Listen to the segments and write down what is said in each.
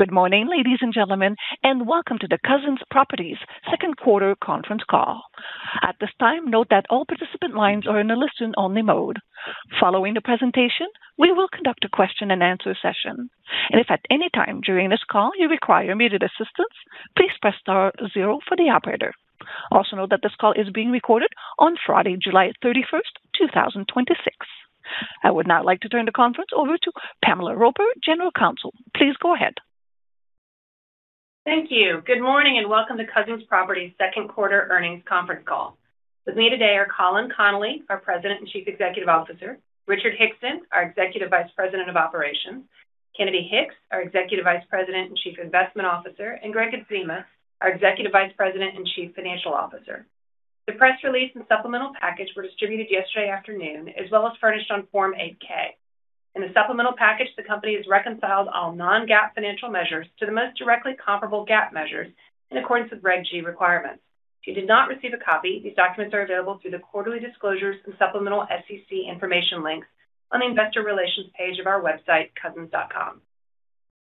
Good morning, ladies and gentlemen, and welcome to the Cousins Properties second quarter conference call. At this time, note that all participant lines are in a listen-only mode. Following the presentation, we will conduct a question-and-answer session. If at any time during this call you require immediate assistance, please press star zero for the operator. Also note that this call is being recorded on Friday, July 31st, 2026. I would now like to turn the conference over to Pamela Roper, General Counsel. Please go ahead. Thank you. Good morning and welcome to Cousins Properties second quarter earnings conference call. With me today are Colin Connolly, our President and Chief Executive Officer, Richard Hickson, our Executive Vice President of Operations, Kennedy Hicks, our Executive Vice President and Chief Investment Officer, and Gregg Adzema, our Executive Vice President and Chief Financial Officer. The press release and supplemental package were distributed yesterday afternoon, as well as furnished on Form 8-K. In the supplemental package, the company has reconciled all non-GAAP financial measures to the most directly comparable GAAP measures in accordance with Regulation G requirements. If you did not receive a copy, these documents are available through the quarterly disclosures and supplemental SEC information links on the investor relations page of our website, cousins.com.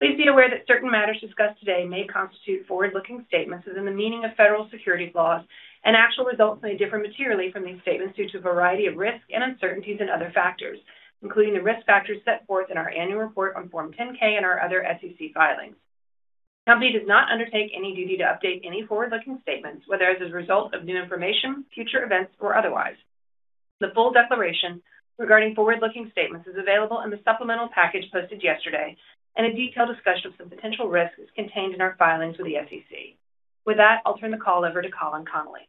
Please be aware that certain matters discussed today may constitute forward-looking statements within the meaning of federal securities laws and actual results may differ materially from these statements due to a variety of risks and uncertainties and other factors, including the risk factors set forth in our annual report on Form 10-K and our other SEC filings. The company does not undertake any duty to update any forward-looking statements, whether as a result of new information, future events, or otherwise. The full declaration regarding forward-looking statements is available in the supplemental package posted yesterday, and a detailed discussion of the potential risks is contained in our filings with the SEC. With that, I'll turn the call over to Colin Connolly.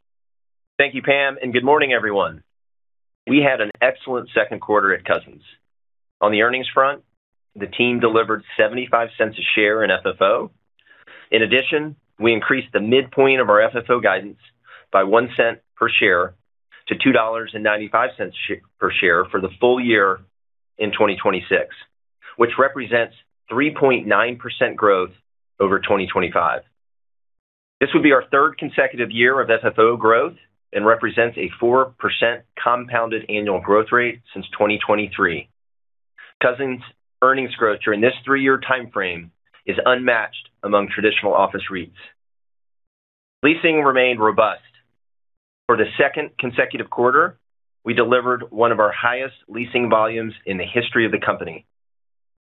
Thank you, Pam, and good morning everyone. We had an excellent second quarter at Cousins. On the earnings front, the team delivered $0.75 a share in FFO. In addition, we increased the midpoint of our FFO guidance by $0.01 per share to $2.95 per share for the full year in 2026, which represents 3.9% growth over 2025. This will be our third consecutive year of FFO growth and represents a 4% compounded annual growth rate since 2023. Cousins' earnings growth during this three-year timeframe is unmatched among traditional office REITs. Leasing remained robust. For the second consecutive quarter, we delivered one of our highest leasing volumes in the history of the company.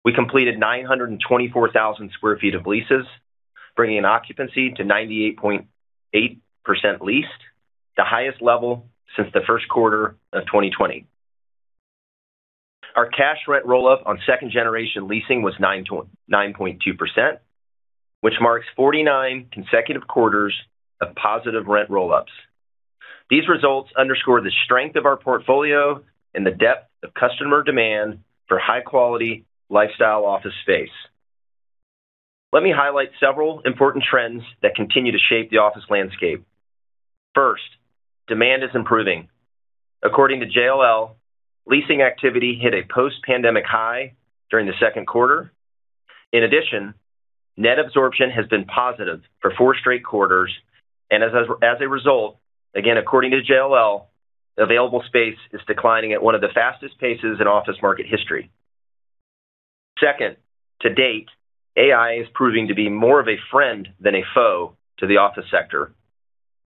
We completed 924,000 square feet of leases, bringing occupancy to 98.8% leased, the highest level since the first quarter of 2020. Our cash rent roll-up on second generation leasing was 9.2%, which marks 49 consecutive quarters of positive rent roll-ups. These results underscore the strength of our portfolio and the depth of customer demand for high-quality lifestyle office space. Let me highlight several important trends that continue to shape the office landscape. First, demand is improving. According to JLL, leasing activity hit a post-pandemic high during the second quarter. In addition, net absorption has been positive for four straight quarters and as a result, again, according to JLL, available space is declining at one of the fastest paces in office market history. Second, to date, AI is proving to be more of a friend than a foe to the office sector.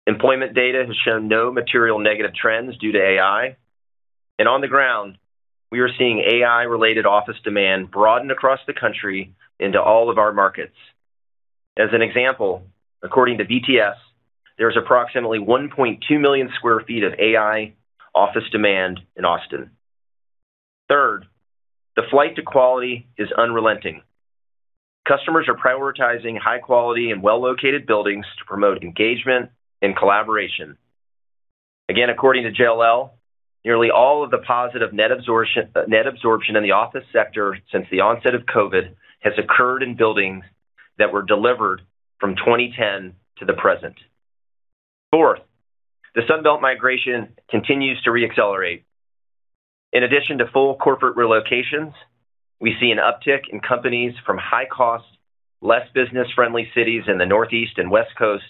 Employment data has shown no material negative trends due to AI. On the ground, we are seeing AI-related office demand broaden across the country into all of our markets. As an example, according to BTS, there is approximately 1.2 million sq ft of AI office demand in Austin. Third, the flight to quality is unrelenting. Customers are prioritizing high quality and well-located buildings to promote engagement and collaboration. Again, according to JLL, nearly all of the positive net absorption in the office sector since the onset of COVID has occurred in buildings that were delivered from 2010 to the present. Fourth, the Sun Belt migration continues to re-accelerate. In addition to full corporate relocations, we see an uptick in companies from high cost, less business-friendly cities in the Northeast and West Coast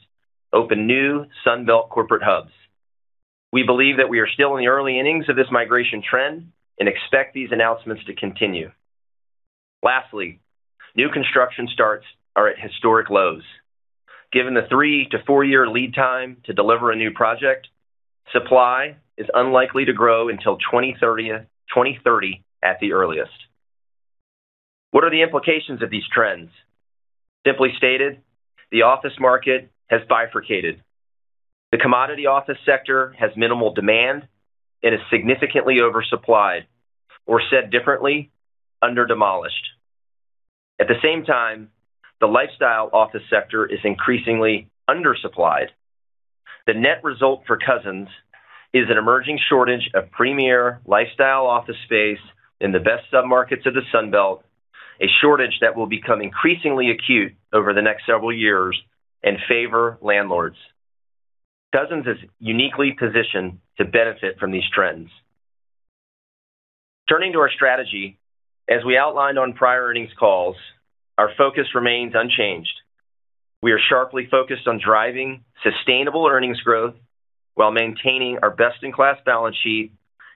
open new Sun Belt corporate hubs. We believe that we are still in the early innings of this migration trend and expect these announcements to continue. Lastly, new construction starts are at historic lows. Given the three to four-year lead time to deliver a new project, supply is unlikely to grow until 2030 at the earliest. What are the implications of these trends? Simply stated, the office market has bifurcated. The commodity office sector has minimal demand and is significantly oversupplied or said differently, under demolished. At the same time, the lifestyle office sector is increasingly undersupplied. The net result for Cousins is an emerging shortage of premier lifestyle office space in the best submarkets of the Sun Belt, a shortage that will become increasingly acute over the next several years and favor landlords. Cousins is uniquely positioned to benefit from these trends. Turning to our strategy, as we outlined on prior earnings calls, our focus remains unchanged. We are sharply focused on driving sustainable earnings growth while maintaining our best-in-class balance sheet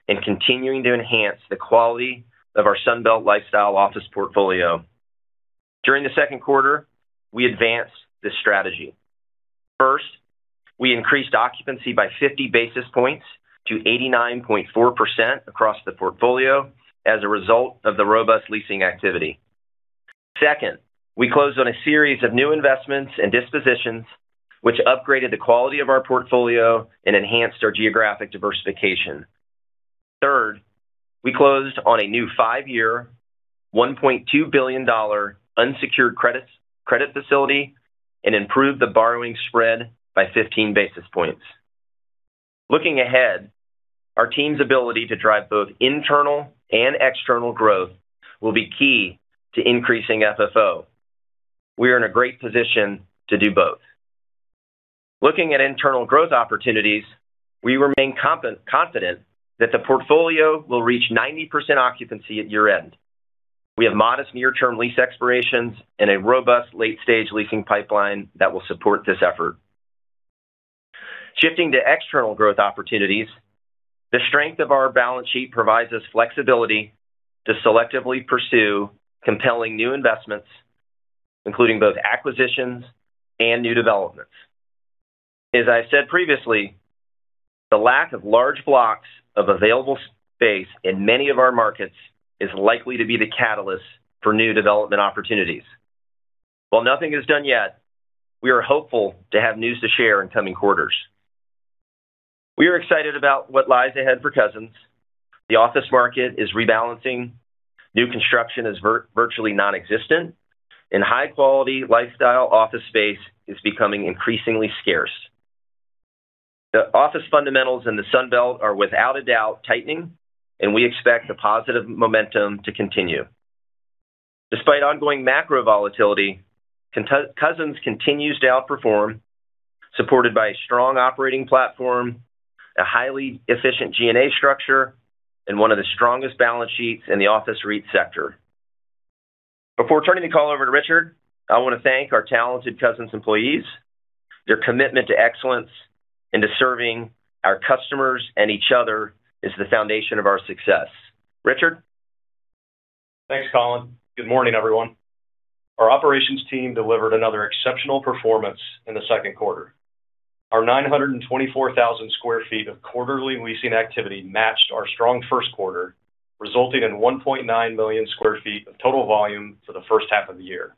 and continuing to enhance the quality of our Sun Belt lifestyle office portfolio. During the second quarter, we advanced this strategy. First, we increased occupancy by 50 basis points to 89.4% across the portfolio as a result of the robust leasing activity. Second, we closed on a series of new investments and dispositions, which upgraded the quality of our portfolio and enhanced our geographic diversification. Third, we closed on a new five-year, $1.2 billion unsecured credit facility and improved the borrowing spread by 15 basis points. Looking ahead, our team's ability to drive both internal and external growth will be key to increasing FFO. We are in a great position to do both. Looking at internal growth opportunities, we remain confident that the portfolio will reach 90% occupancy at year-end. We have modest near-term lease expirations and a robust late-stage leasing pipeline that will support this effort. Shifting to external growth opportunities, the strength of our balance sheet provides us flexibility to selectively pursue compelling new investments, including both acquisitions and new developments. As I said previously, the lack of large blocks of available space in many of our markets is likely to be the catalyst for new development opportunities. While nothing is done yet, we are hopeful to have news to share in coming quarters. We are excited about what lies ahead for Cousins. The office market is rebalancing, new construction is virtually non-existent, and high-quality lifestyle office space is becoming increasingly scarce. The office fundamentals in the Sunbelt are without a doubt tightening, and we expect the positive momentum to continue. Despite ongoing macro volatility, Cousins continues to outperform, supported by a strong operating platform, a highly efficient G&A structure, and one of the strongest balance sheets in the office REIT sector. Before turning the call over to Richard, I want to thank our talented Cousins employees. Their commitment to excellence and to serving our customers and each other is the foundation of our success. Richard? Thanks, Colin. Good morning, everyone. Our operations team delivered another exceptional performance in the second quarter. Our 924,000 sq ft of quarterly leasing activity matched our strong first quarter, resulting in 1.9 million sq ft of total volume for the first half of the year.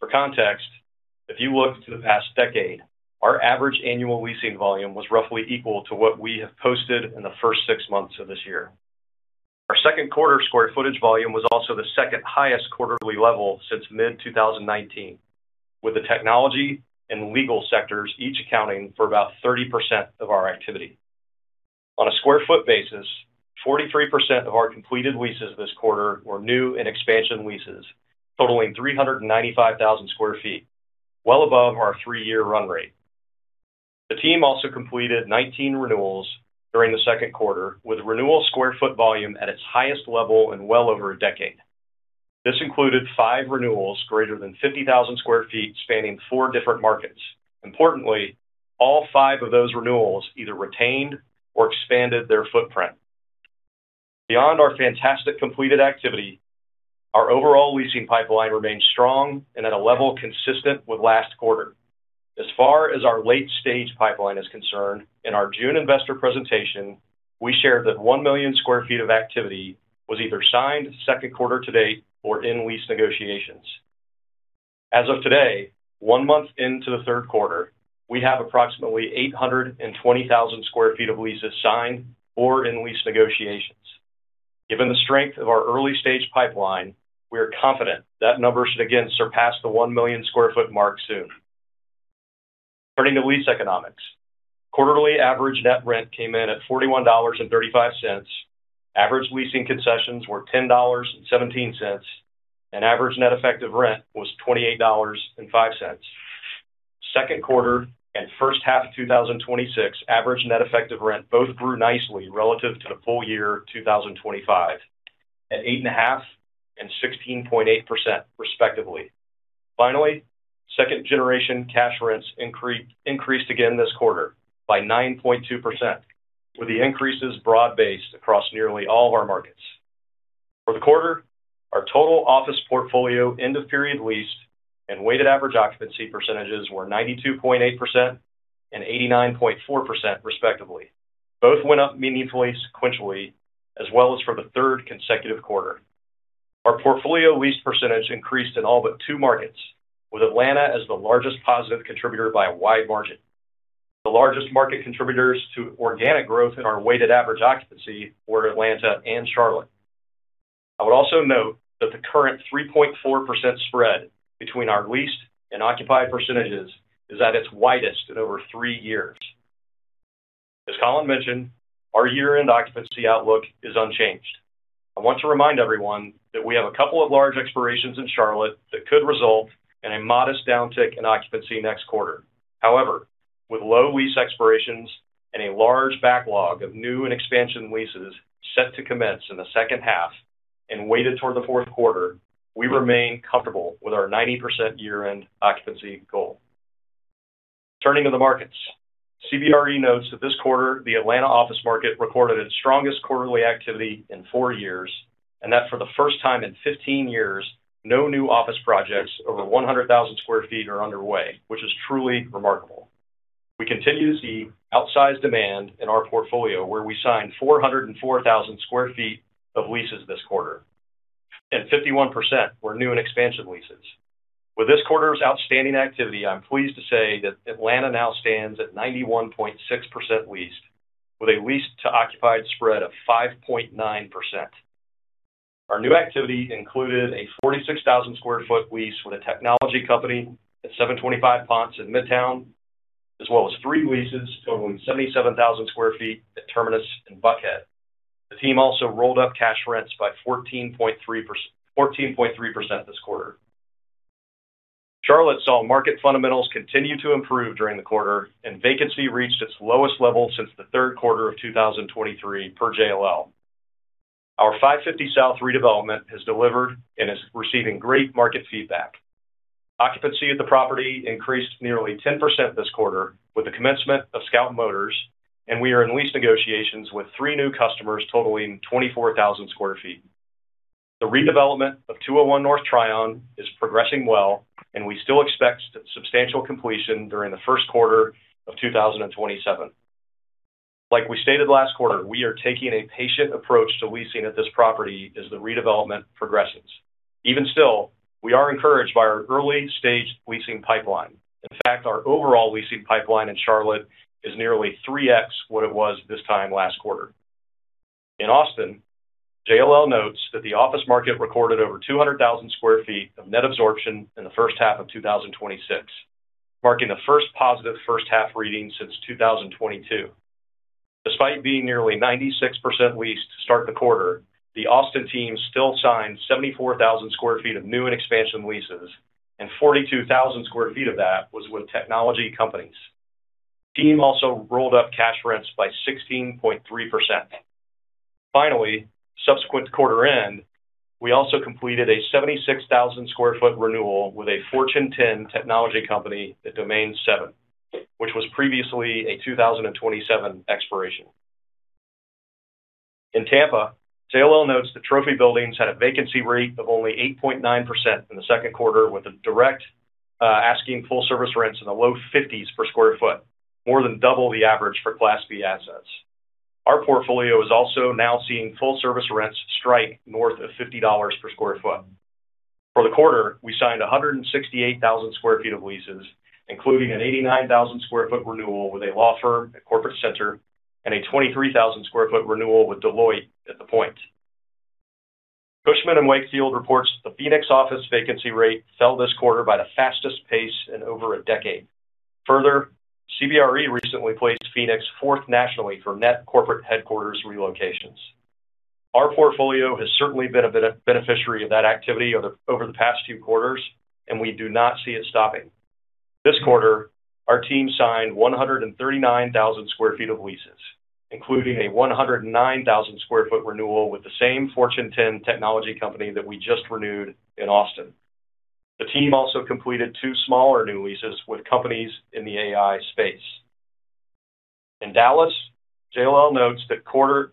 For context, if you look to the past decade, our average annual leasing volume was roughly equal to what we have posted in the first six months of this year. Our second quarter square footage volume was also the second highest quarterly level since mid-2019, with the technology and legal sectors each accounting for about 30% of our activity. On a square foot basis, 43% of our completed leases this quarter were new and expansion leases, totaling 395,000 sq ft, well above our three-year run rate. The team also completed 19 renewals during the second quarter, with renewal square foot volume at its highest level in well over a decade. This included five renewals greater than 50,000 sq ft, spanning four different markets. Importantly, all five of those renewals either retained or expanded their footprint. Beyond our fantastic completed activity, our overall leasing pipeline remains strong and at a level consistent with last quarter. As far as our late-stage pipeline is concerned, in our June investor presentation, we shared that 1 million sq ft of activity was either signed second quarter to date or in lease negotiations. As of today, one month into the third quarter, we have approximately 820,000 sq ft of leases signed or in lease negotiations. Given the strength of our early-stage pipeline, we are confident that number should again surpass the 1 million sq ft mark soon. Turning to lease economics. Quarterly average net rent came in at $41.35. Average leasing concessions were $10.17, and average net effective rent was $28.05. Second quarter and first half of 2026 average net effective rent both grew nicely relative to the full year 2025, at 8.5% and 16.8%, respectively. Second generation cash rents increased again this quarter by 9.2%, with the increases broad-based across nearly all of our markets. For the quarter, our total office portfolio end of period leased and weighted average occupancy percentages were 92.8% and 89.4%, respectively. Both went up meaningfully sequentially as well as for the third consecutive quarter. Our portfolio lease percentage increased in all but two markets, with Atlanta as the largest positive contributor by a wide margin. The largest market contributors to organic growth in our weighted average occupancy were Atlanta and Charlotte. I would also note that the current 3.4% spread between our leased and occupied percentages is at its widest in over three years. As Colin Connolly mentioned, our year-end occupancy outlook is unchanged. I want to remind everyone that we have a couple of large expirations in Charlotte that could result in a modest downtick in occupancy next quarter. With low lease expirations and a large backlog of new and expansion leases set to commence in the second half and weighted toward the fourth quarter, we remain comfortable with our 90% year-end occupancy goal. Turning to the markets. CBRE notes that this quarter, the Atlanta office market recorded its strongest quarterly activity in four years, and that for the first time in 15 years, no new office projects over 100,000 square feet are underway, which is truly remarkable. We continue to see outsized demand in our portfolio, where we signed 404,000 square feet of leases this quarter, and 51% were new and expansion leases. With this quarter's outstanding activity, I'm pleased to say that Atlanta now stands at 91.6% leased with a leased to occupied spread of 5.9%. Our new activity included a 46,000 square foot lease with a technology company at 725 Ponce in Midtown, as well as three leases totaling 77,000 square feet at Terminus in Buckhead. The team also rolled up cash rents by 14.3% this quarter. Charlotte saw market fundamentals continue to improve during the quarter, and vacancy reached its lowest level since the third quarter of 2023, per JLL. Our 550 South redevelopment has delivered and is receiving great market feedback. Occupancy at the property increased nearly 10% this quarter with the commencement of Scout Motors, and we are in lease negotiations with three new customers totaling 24,000 square feet. The redevelopment of 201 North Tryon is progressing well, and we still expect substantial completion during the first quarter of 2027. Like we stated last quarter, we are taking a patient approach to leasing at this property as the redevelopment progresses. Even still, we are encouraged by our early-stage leasing pipeline. In fact, our overall leasing pipeline in Charlotte is nearly 3x what it was this time last quarter. In Austin, JLL notes that the office market recorded over 200,000 square feet of net absorption in the first half of 2026, marking the first positive first half reading since 2022. Despite being nearly 96% leased to start the quarter, the Austin team still signed 74,000 sq ft of new and expansion leases, 42,000 sq ft of that was with technology companies. The team also rolled up cash rents by 16.3%. Finally, subsequent to quarter end, we also completed a 76,000 sq ft renewal with a Fortune 10 technology company at Domain 7, which was previously a 2027 expiration. In Tampa, JLL notes that trophy buildings had a vacancy rate of only 8.9% in the second quarter, with the direct asking full-service rents in the low $50s per sq ft, more than double the average for Class B assets. Our portfolio is also now seeing full service rents strike north of $50 per sq ft. For the quarter, we signed 168,000 sq ft of leases, including an 89,000 sq ft renewal with a law firm at Corporate Center, a 23,000 sq ft renewal with Deloitte at The Point. Cushman & Wakefield reports the Phoenix office vacancy rate fell this quarter by the fastest pace in over a decade. Further, CBRE recently placed Phoenix fourth nationally for net corporate headquarters relocations. Our portfolio has certainly been a beneficiary of that activity over the past few quarters. We do not see it stopping. This quarter, our team signed 139,000 sq ft of leases, including a 109,000 sq ft renewal with the same Fortune 10 technology company that we just renewed in Austin. The team also completed two smaller new leases with companies in the AI space. In Dallas, JLL notes the quarter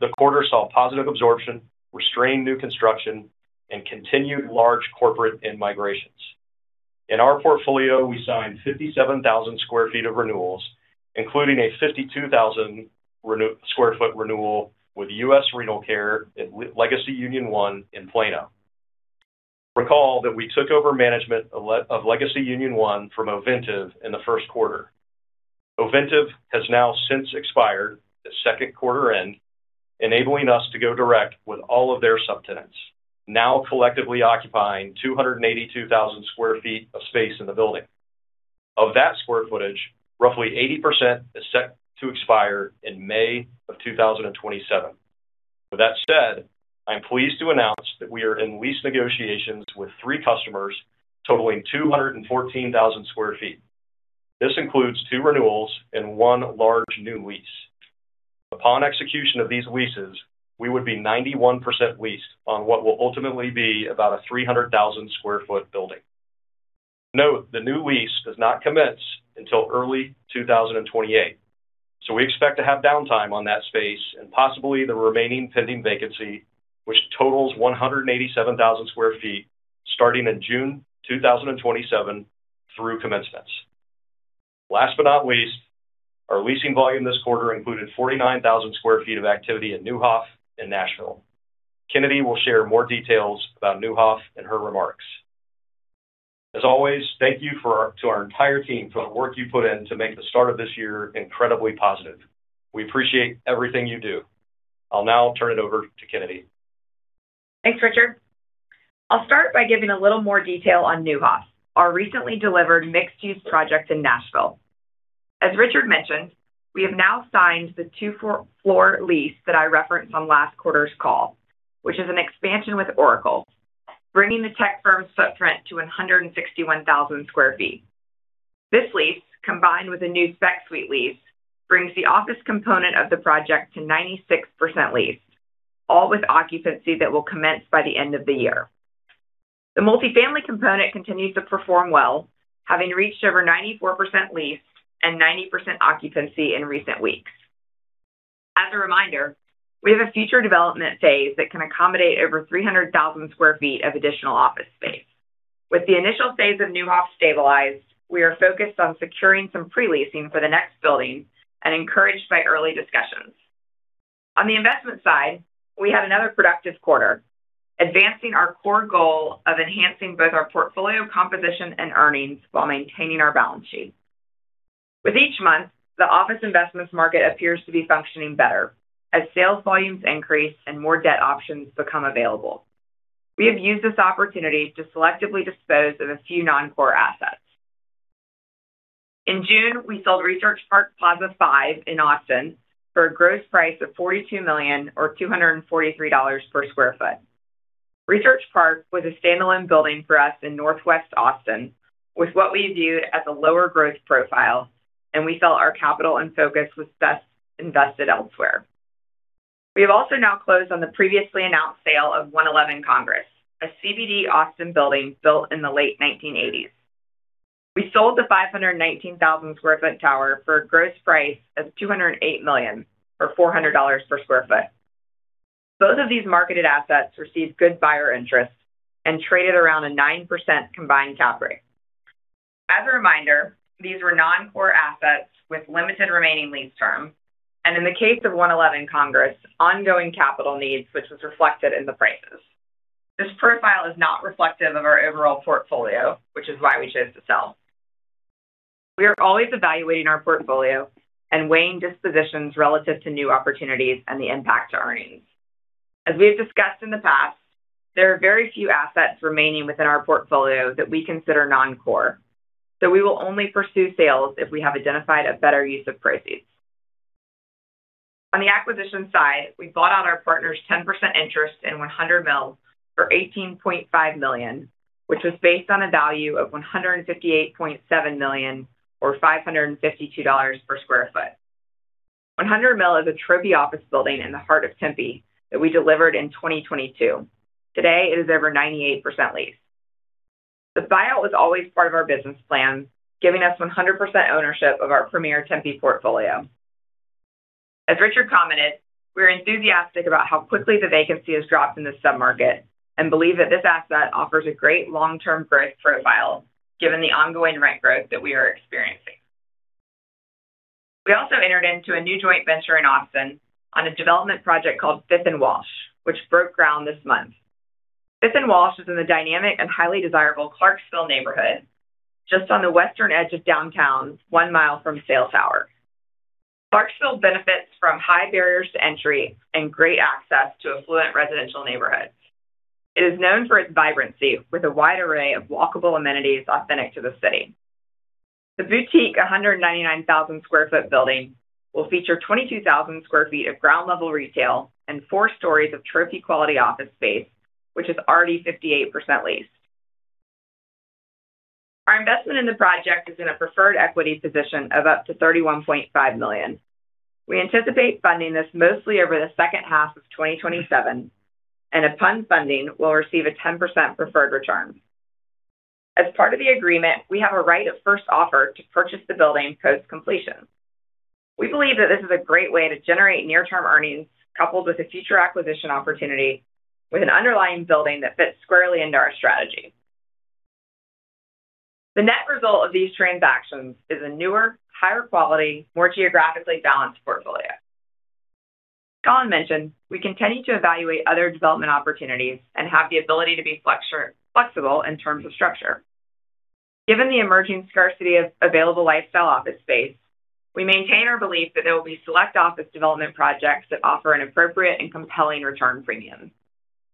saw positive absorption, restrained new construction, and continued large corporate in-migrations. In our portfolio, we signed 57,000 sq ft of renewals, including a 52,000 sq ft renewal with U.S. Renal Care at Legacy Union 1 in Plano. Recall that we took over management of Legacy Union 1 from Ovintiv in the first quarter. Ovintiv has now since expired at second quarter end, enabling us to go direct with all of their subtenants, now collectively occupying 282,000 sq ft of space in the building. Of that square footage, roughly 80% is set to expire in May of 2027. With that said, I am pleased to announce that we are in lease negotiations with three customers totaling 214,000 sq ft. This includes two renewals and one large new lease. Upon execution of these leases, we would be 91% leased on what will ultimately be about a 300,000 sq ft building. Note, the new lease does not commence until early 2028. We expect to have downtime on that space and possibly the remaining pending vacancy, which totals 187,000 sq ft starting in June 2027 through commencements. Last but not least, our leasing volume this quarter included 49,000 sq ft of activity at Neuhoff in Nashville. Kennedy will share more details about Neuhoff in her remarks. As always, thank you to our entire team for the work you put in to make the start of this year incredibly positive. We appreciate everything you do. I'll now turn it over to Kennedy. Thanks, Richard. I'll start by giving a little more detail on Neuhoff, our recently delivered mixed-use project in Nashville. As Richard mentioned, we have now signed the two-floor lease that I referenced on last quarter's call, which is an expansion with Oracle. Bringing the tech firm's footprint to 161,000 square feet. This lease, combined with a new spec suite lease, brings the office component of the project to 96% leased, all with occupancy that will commence by the end of the year. The multifamily component continues to perform well, having reached over 94% leased and 90% occupancy in recent weeks. As a reminder, we have a future development phase that can accommodate over 300,000 square feet of additional office space. With the initial phase of Neuhoff stabilized, we are focused on securing some pre-leasing for the next building and encouraged by early discussions. On the investment side, we had another productive quarter, advancing our core goal of enhancing both our portfolio composition and earnings while maintaining our balance sheet. With each month, the office investments market appears to be functioning better as sales volumes increase and more debt options become available. We have used this opportunity to selectively dispose of a few non-core assets. In June, we sold Research Park Plaza 5 in Austin for a gross price of $42 million or $243 per square foot. Research Park was a standalone building for us in Northwest Austin with what we viewed as a lower growth profile, and we felt our capital and focus was best invested elsewhere. We have also now closed on the previously announced sale of One Eleven Congress, a CBD Austin building built in the late 1980s. We sold the 519,000 square foot tower for a gross price of $208 million or $400 per square foot. Both of these marketed assets received good buyer interest and traded around a 9% combined cap rate. As a reminder, these were non-core assets with limited remaining lease term, and in the case of One Eleven Congress, ongoing capital needs, which was reflected in the prices. This profile is not reflective of our overall portfolio, which is why we chose to sell. We are always evaluating our portfolio and weighing dispositions relative to new opportunities and the impact to earnings. As we have discussed in the past, there are very few assets remaining within our portfolio that we consider non-core, we will only pursue sales if we have identified a better use of proceeds. On the acquisition side, we bought out our partner's 10% interest in 100 Mill for $18.5 million, which was based on a value of $158.7 million or $552 per square foot. 100 Mill is a trophy office building in the heart of Tempe that we delivered in 2022. Today, it is over 98% leased. The buyout was always part of our business plan, giving us 100% ownership of our premier Tempe portfolio. As Richard commented, we're enthusiastic about how quickly the vacancy has dropped in this sub-market and believe that this asset offers a great long-term growth profile given the ongoing rent growth that we are experiencing. We also entered into a new joint venture in Austin on a development project called 5th and Walsh, which broke ground this month. 5th and Walsh is in the dynamic and highly desirable Clarksville neighborhood, just on the western edge of downtown, one mile from Sail Tower. Clarksville benefits from high barriers to entry and great access to affluent residential neighborhoods. It is known for its vibrancy with a wide array of walkable amenities authentic to the city. The boutique 199,000 sq ft building will feature 22,000 sq ft of ground level retail and four stories of trophy quality office space, which is already 58% leased. Our investment in the project is in a preferred equity position of up to $31.5 million. We anticipate funding this mostly over the second half of 2027, and upon funding, we'll receive a 10% preferred return. As part of the agreement, we have a right of first offer to purchase the building post-completion. We believe that this is a great way to generate near-term earnings coupled with a future acquisition opportunity with an underlying building that fits squarely into our strategy. Colin mentioned we continue to evaluate other development opportunities and have the ability to be flexible in terms of structure. Given the emerging scarcity of available lifestyle office space, we maintain our belief that there will be select office development projects that offer an appropriate and compelling return premium.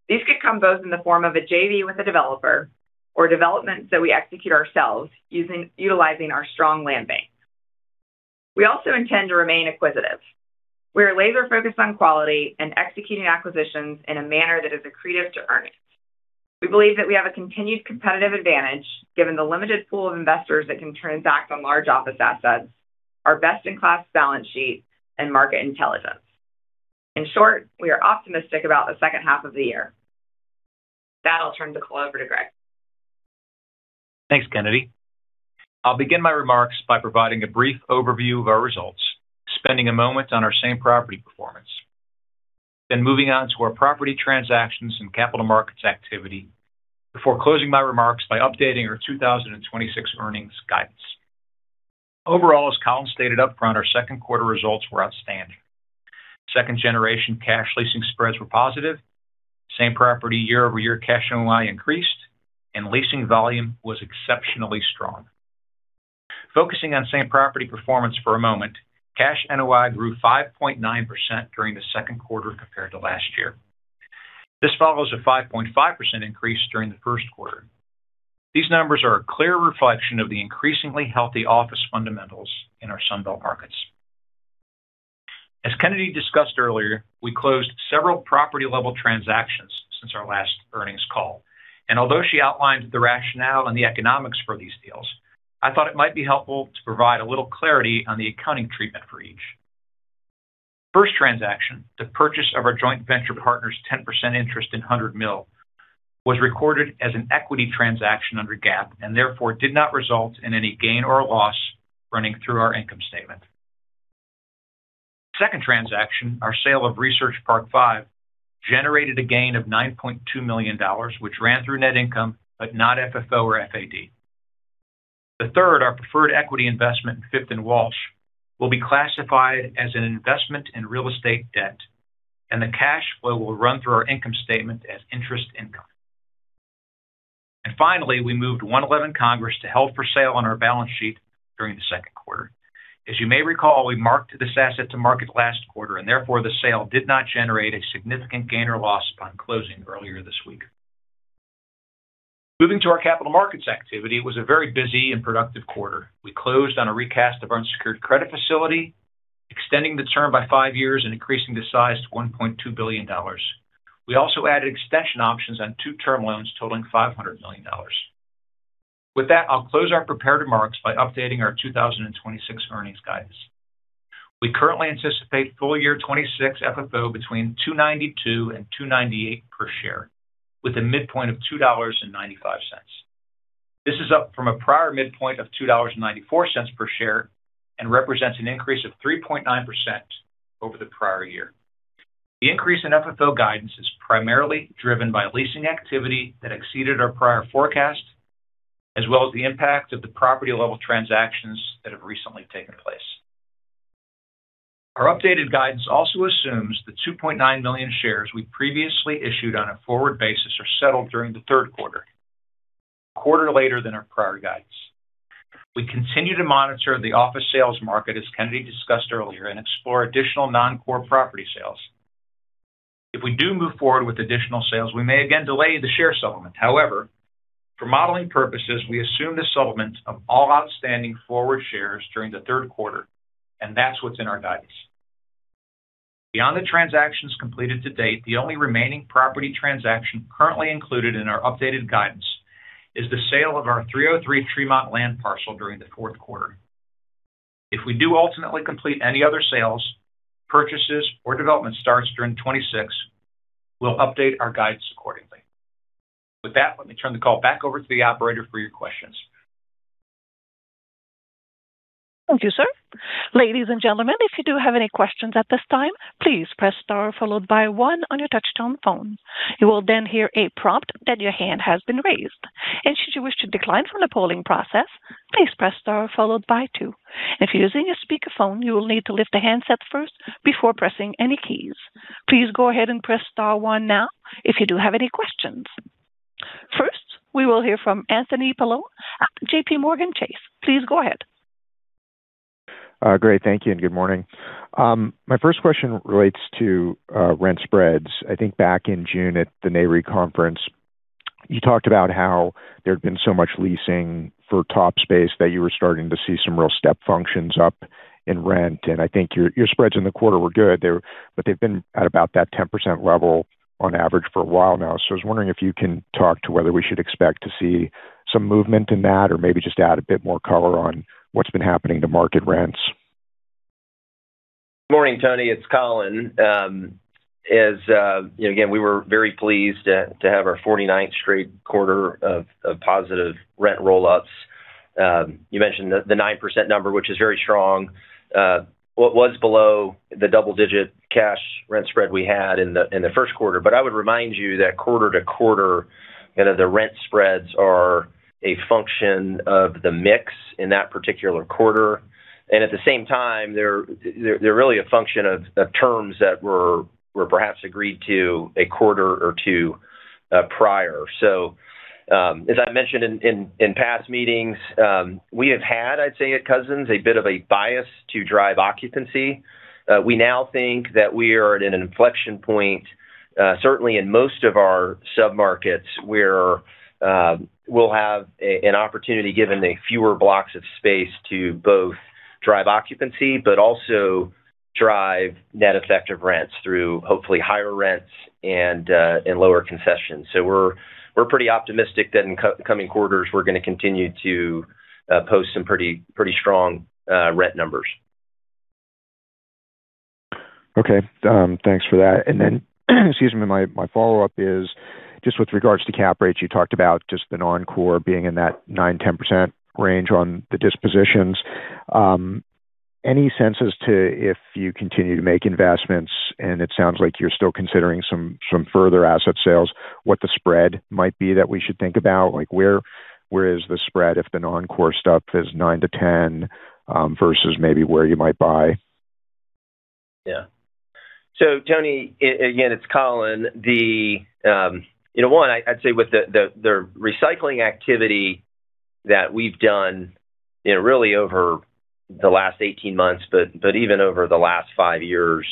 These could come both in the form of a JV with a developer or developments that we execute ourselves utilizing our strong land bank. We also intend to remain acquisitive. We are laser focused on quality and executing acquisitions in a manner that is accretive to earnings. We believe that we have a continued competitive advantage given the limited pool of investors that can transact on large office assets, our best-in-class balance sheet, and market intelligence. In short, we are optimistic about the second half of the year. With that, I'll turn the call over to Gregg. Thanks, Kennedy. I'll begin my remarks by providing a brief overview of our results, spending a moment on our same property performance, then moving on to our property transactions and capital markets activity before closing my remarks by updating our 2026 earnings guidance. Overall, as Colin stated upfront, our second quarter results were outstanding. Second generation cash leasing spreads were positive. Same property year-over-year cash NOI increased and leasing volume was exceptionally strong. Focusing on same property performance for a moment, cash NOI grew 5.9% during the second quarter compared to last year. This follows a 5.5% increase during the first quarter. These numbers are a clear reflection of the increasingly healthy office fundamentals in our Sun Belt markets. As Kennedy discussed earlier, we closed several property-level transactions since our last earnings call. Although she outlined the rationale and the economics for these deals, I thought it might be helpful to provide a little clarity on the accounting treatment for each. First transaction, the purchase of our joint venture partner's 10% interest in 100 Mill, was recorded as an equity transaction under GAAP, and therefore did not result in any gain or loss running through our income statement. Second transaction, our sale of Research Park Five, generated a gain of $9.2 million, which ran through net income, but not FFO or FAD. The third, our preferred equity investment in Fifth & Walsh, will be classified as an investment in real estate debt, and the cash flow will run through our income statement as interest income. Finally, we moved One Eleven Congress to hold for sale on our balance sheet during the second quarter. As you may recall, we marked this asset to market last quarter, and therefore the sale did not generate a significant gain or loss upon closing earlier this week. Moving to our capital markets activity, it was a very busy and productive quarter. We closed on a recast of unsecured credit facility, extending the term by five years and increasing the size to $1.2 billion. We also added extension options on two term loans totaling $500 million. With that, I'll close our prepared remarks by updating our 2026 earnings guidance. We currently anticipate full year 2026 FFO between $2.92 and $2.98 per share, with a midpoint of $2.95. This is up from a prior midpoint of $2.94 per share and represents an increase of 3.9% over the prior year. The increase in FFO guidance is primarily driven by leasing activity that exceeded our prior forecast, as well as the impact of the property-level transactions that have recently taken place. Our updated guidance also assumes the 2.9 million shares we previously issued on a forward basis are settled during the third quarter, a quarter later than our prior guidance. We continue to monitor the office sales market, as Kennedy discussed earlier, and explore additional non-core property sales. If we do move forward with additional sales, we may again delay the share settlement. However, for modeling purposes, we assume the settlement of all outstanding forward shares during the third quarter, and that's what's in our guidance. Beyond the transactions completed to date, the only remaining property transaction currently included in our updated guidance is the sale of our 303 Tremont land parcel during the fourth quarter. If we do ultimately complete any other sales, purchases, or development starts during 2026, we'll update our guidance accordingly. With that, let me turn the call back over to the operator for your questions. Thank you, sir. Ladies and gentlemen, if you do have any questions at this time, please press star followed by one on your touchtone phone. You will then hear a prompt that your hand has been raised. Should you wish to decline from the polling process, please press star followed by two. If you're using a speakerphone, you will need to lift the handset first before pressing any keys. Please go ahead and press star one now if you do have any questions. First, we will hear from Anthony Paolone at JPMorgan Chase. Please go ahead. Great. Thank you, and good morning. My first question relates to rent spreads. I think back in June at the Nareit conference, you talked about how there had been so much leasing for top space that you were starting to see some real step functions up in rent, and I think your spreads in the quarter were good, but they've been at about that 10% level on average for a while now. I was wondering if you can talk to whether we should expect to see some movement in that, or maybe just add a bit more color on what's been happening to market rents. Morning, Tony. It's Colin. Again, we were very pleased to have our 49th straight quarter of positive rent roll-ups. You mentioned the 9% number, which is very strong. What was below the double-digit cash rent spread we had in the first quarter. I would remind you that quarter to quarter, the rent spreads are a function of the mix in that particular quarter. At the same time, they're really a function of terms that were perhaps agreed to a quarter or two prior. As I mentioned in past meetings, we have had, I'd say, at Cousins, a bit of a bias to drive occupancy. We now think that we are at an inflection point, certainly in most of our sub-markets, where we'll have an opportunity, given the fewer blocks of space, to both drive occupancy but also drive net effective rents through hopefully higher rents and lower concessions. We're pretty optimistic that in coming quarters, we're going to continue to post some pretty strong rent numbers. Okay. Thanks for that. Excuse me, my follow-up is just with regards to cap rates. You talked about just the non-core being in that 9%-10% range on the dispositions. Any sense as to if you continue to make investments, and it sounds like you're still considering some further asset sales, what the spread might be that we should think about? Where is the spread if the non-core stuff is 9%-10%, versus maybe where you might buy? Yeah. Tony, again, it's Colin. One, I would say with the recycling activity that we've done really over the last 18 months, but even over the last five years.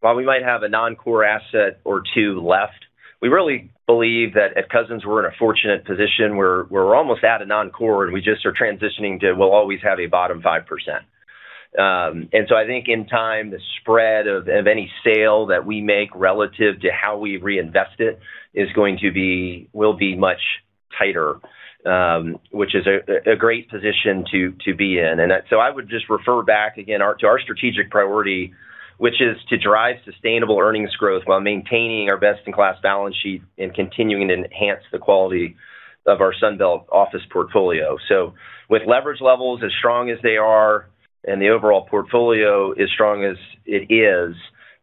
While we might have a non-core asset or two left, we really believe that at Cousins, we're in a fortunate position where we're almost at a non-core, and we just are transitioning to we'll always have a bottom 5%. I think in time, the spread of any sale that we make relative to how we reinvest it will be much tighter, which is a great position to be in. I would just refer back again to our strategic priority, which is to drive sustainable earnings growth while maintaining our best-in-class balance sheet and continuing to enhance the quality of our Sunbelt office portfolio. With leverage levels as strong as they are and the overall portfolio as strong as it is,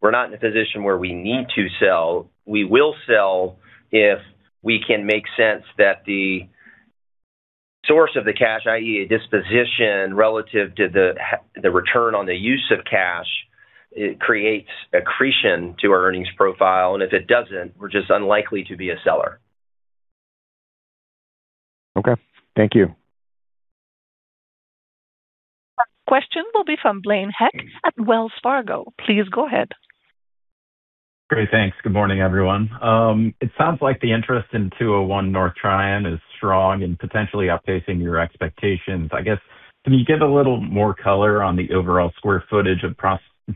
we're not in a position where we need to sell. We will sell if we can make sense that the source of the cash, i.e., a disposition relative to the return on the use of cash, it creates accretion to our earnings profile. If it doesn't, we're just unlikely to be a seller. Okay. Thank you. Our next question will be from Blaine Heck at Wells Fargo. Please go ahead. Great. Thanks. Good morning, everyone. It sounds like the interest in 201 North Tryon is strong and potentially outpacing your expectations. I guess, can you give a little more color on the overall square footage of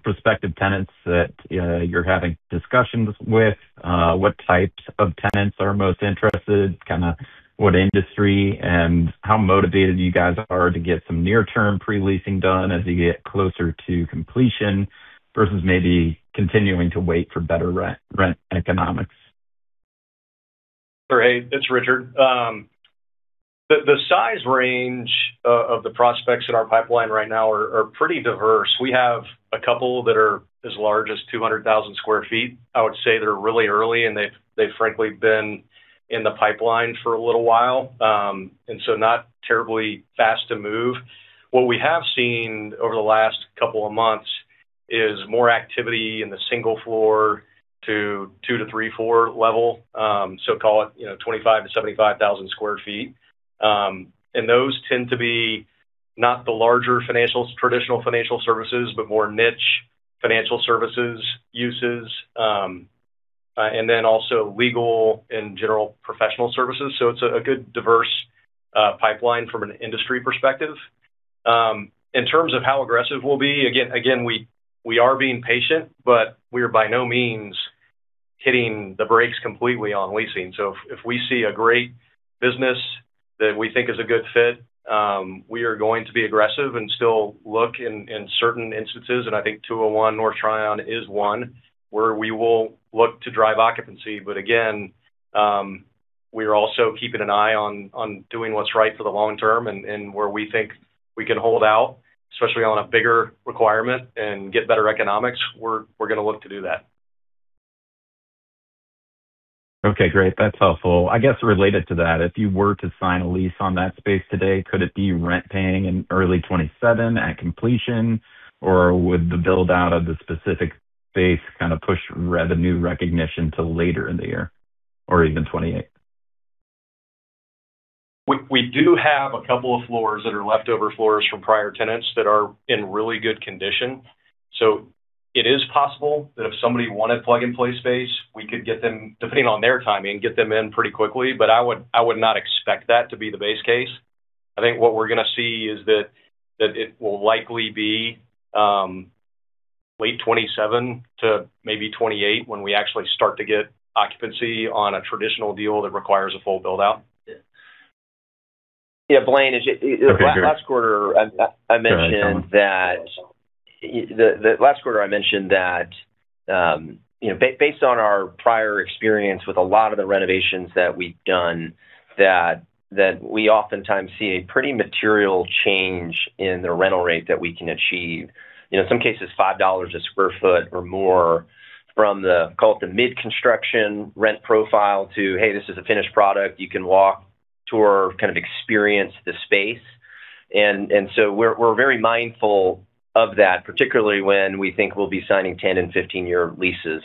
prospective tenants that you're having discussions with? What types of tenants are most interested, kind of what industry, and how motivated you guys are to get some near-term pre-leasing done as you get closer to completion versus maybe continuing to wait for better rent economics? Sure. Hey, it's Richard. The size range of the prospects in our pipeline right now are pretty diverse. We have a couple that are as large as 200,000 sq ft. I would say they're really early, and they've frankly been in the pipeline for a little while. Not terribly fast to move. What we have seen over the last couple of months is more activity in the single floor to two to three floor level, so call it 25,000 to 75,000 sq ft. Those tend to be not the larger traditional financial services, but more niche financial services uses, and then also legal and general professional services. It's a good diverse pipeline from an industry perspective. In terms of how aggressive we'll be, again, we are being patient, but we are by no means hitting the brakes completely on leasing. If we see a great business that we think is a good fit, we are going to be aggressive and still look in certain instances, and I think 201 North Tryon is one, where we will look to drive occupancy. Again, we're also keeping an eye on doing what's right for the long term and where we think we can hold out, especially on a bigger requirement and get better economics. We're going to look to do that. Okay, great. That's helpful. I guess related to that, if you were to sign a lease on that space today, could it be rent-paying in early 2027 at completion, or would the build-out of the specific space kind of push revenue recognition till later in the year or even 2028? We do have a couple of floors that are leftover floors from prior tenants that are in really good condition. It is possible that if somebody wanted plug-and-play space, we could get them, depending on their timing, get them in pretty quickly. I would not expect that to be the base case. I think what we're going to see is that it will likely be late 2027 to maybe 2028 when we actually start to get occupancy on a traditional deal that requires a full build-out. Yeah, Blaine- Okay, Great. Last quarter, I mentioned that. Go ahead, Colin. Last quarter, I mentioned that based on our prior experience with a lot of the renovations that we've done, that we oftentimes see a pretty material change in the rental rate that we can achieve. In some cases, $5 a square foot or more from the, call it, the mid-construction rent profile to, hey, this is a finished product. You can walk, tour, kind of experience the space. We're very mindful of that, particularly when we think we'll be signing 10 and 15-year leases.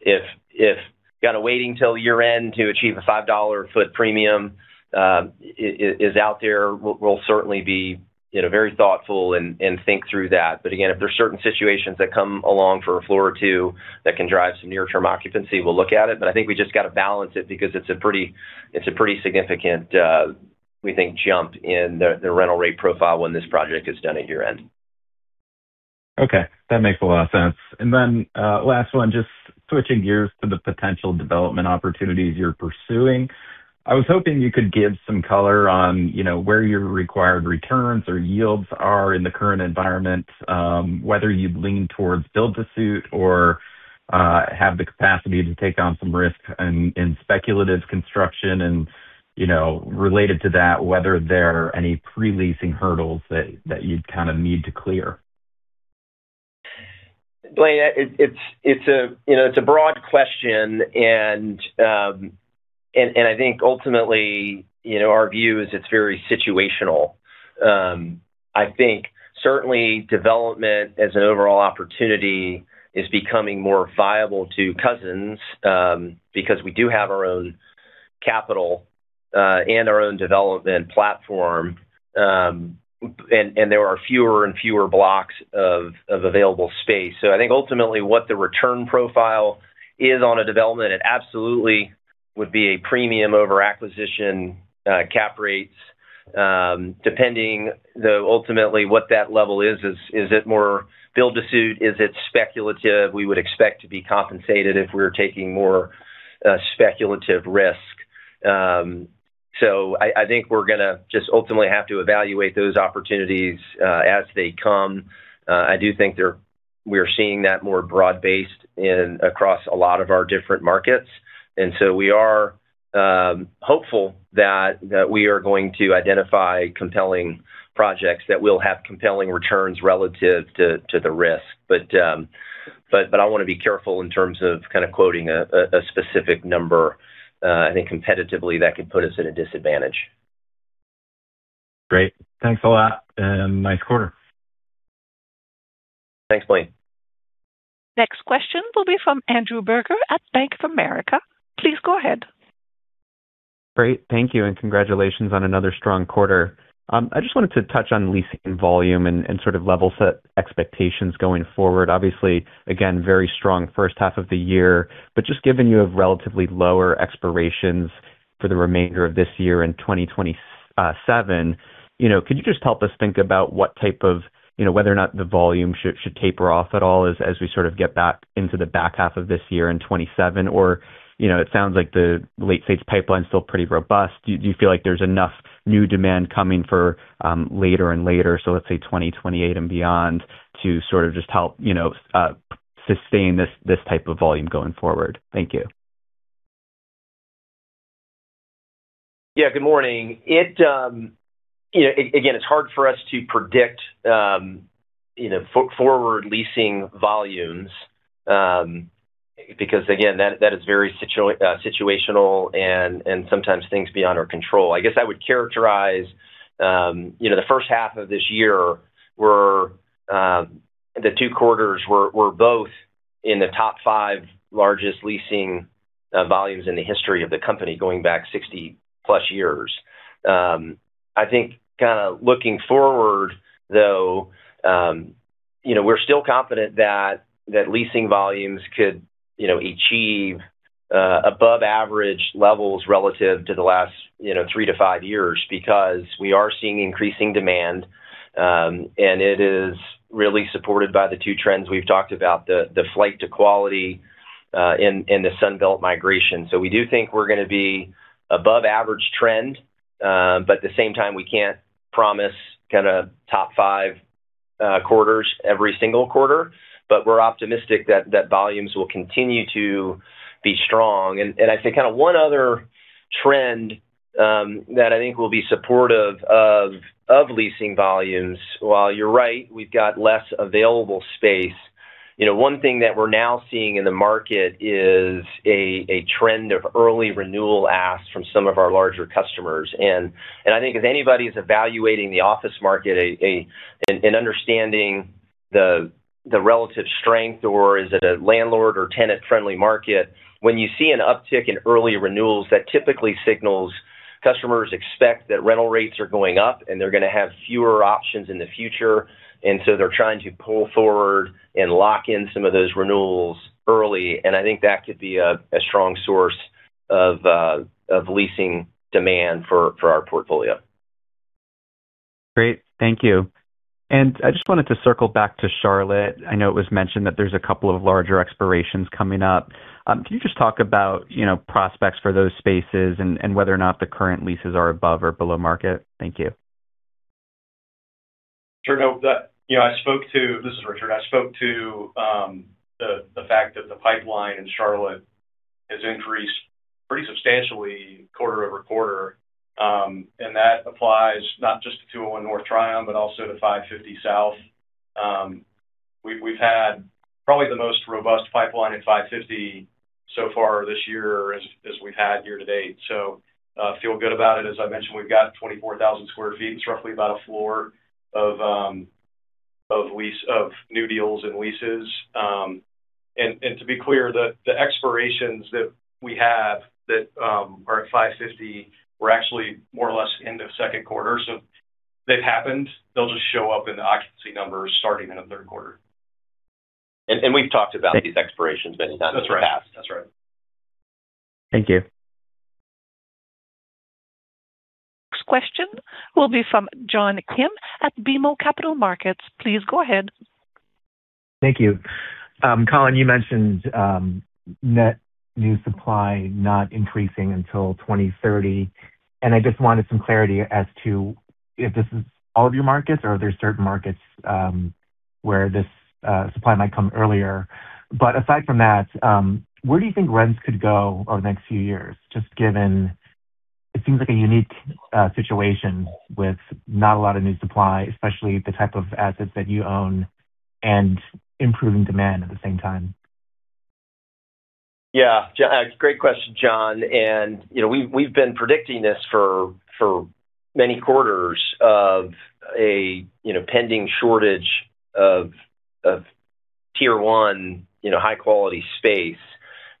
If kind of waiting till year-end to achieve a $5 a foot premium is out there, we'll certainly be very thoughtful and think through that. Again, if there's certain situations that come along for a floor or two that can drive some near-term occupancy, we'll look at it. I think we just got to balance it because it's a pretty significant, we think, jump in the rental rate profile when this project is done at year-end. Okay. That makes a lot of sense. Last one, just switching gears to the potential development opportunities you're pursuing. I was hoping you could give some color on where your required returns or yields are in the current environment, whether you'd lean towards build to suit or have the capacity to take on some risk in speculative construction, and related to that, whether there are any pre-leasing hurdles that you'd kind of need to clear. Blaine, it's a broad question, I think ultimately, our view is it's very situational. I think certainly development as an overall opportunity is becoming more viable to Cousins because we do have our own capital And our own development platform. There are fewer and fewer blocks of available space. I think ultimately what the return profile is on a development, it absolutely would be a premium over acquisition cap rates. Depending though, ultimately what that level is. Is it more build to suit? Is it speculative? We would expect to be compensated if we're taking more speculative risk. I think we're going to just ultimately have to evaluate those opportunities as they come. I do think we're seeing that more broad-based across a lot of our different markets. We are hopeful that we are going to identify compelling projects that will have compelling returns relative to the risk. I want to be careful in terms of quoting a specific number. I think competitively, that could put us at a disadvantage. Great. Thanks a lot. Nice quarter. Thanks, Blaine. Next question will be from Andrew Berger at Bank of America. Please go ahead. Great. Thank you, and congratulations on another strong quarter. I just wanted to touch on leasing volume and sort of level-set expectations going forward. Obviously, again, very strong first half of the year, just given you have relatively lower expirations for the remainder of this year and 2027, could you just help us think about whether or not the volume should taper off at all as we sort of get back into the back half of this year in 2027? Or it sounds like the late-stage pipelines still pretty robust. Do you feel like there's enough new demand coming for later and later, so let's say 2028 and beyond, to sort of just help sustain this type of volume going forward? Thank you. Yeah. Good morning. Again, it's hard for us to predict forward leasing volumes, because again, that is very situational, and sometimes things beyond our control. I guess I would characterize the first half of this year, the two quarters were both in the top five largest leasing volumes in the history of the company, going back 60-plus years. I think kind of looking forward, though, we're still confident that leasing volumes could achieve above average levels relative to the last three to five years because we are seeing increasing demand, and it is really supported by the two trends we've talked about, the flight to quality and the Sun Belt migration. We do think we're going to be above average trend. At the same time, we can't promise kind of top five quarters every single quarter, but we're optimistic that volumes will continue to be strong. I'd say kind of one other trend that I think will be supportive of leasing volumes. While you're right, we've got less available space, one thing that we're now seeing in the market is a trend of early renewal asks from some of our larger customers. I think if anybody is evaluating the office market and understanding the relative strength or is it a landlord or tenant-friendly market, when you see an uptick in early renewals, that typically signals customers expect that rental rates are going up, and they're going to have fewer options in the future. They're trying to pull forward and lock in some of those renewals early. I think that could be a strong source of leasing demand for our portfolio. Great. Thank you. I just wanted to circle back to Charlotte. I know it was mentioned that there's a couple of larger expirations coming up. Can you just talk about prospects for those spaces and whether or not the current leases are above or below market? Thank you. Sure. This is Richard. I spoke to the fact that the pipeline in Charlotte has increased pretty substantially quarter-over-quarter. That applies not just to 201 North Tryon, but also to 550 South. We've had probably the most robust pipeline at 550 so far this year as we've had year-to-date. Feel good about it. As I mentioned, we've got 24,000 sq ft. It's roughly about a floor of new deals and leases. To be clear, the expirations that we have that are at 550 were actually more or less end of second quarter. They've happened. They'll just show up in the occupancy numbers starting in the third quarter. We've talked about these expirations many times in the past. That's right. Thank you. Next question will be from John Kim at BMO Capital Markets. Please go ahead. Thank you. Colin, you mentioned net new supply not increasing until 2030. I just wanted some clarity as to if this is all of your markets or are there certain markets where this supply might come earlier. Aside from that, where do you think rents could go over the next few years? Just given it seems like a unique situation with not a lot of new supply, especially the type of assets that you own and improving demand at the same time. Yeah. Great question, John. We've been predicting this for many quarters of a pending shortage of Tier 1, high-quality space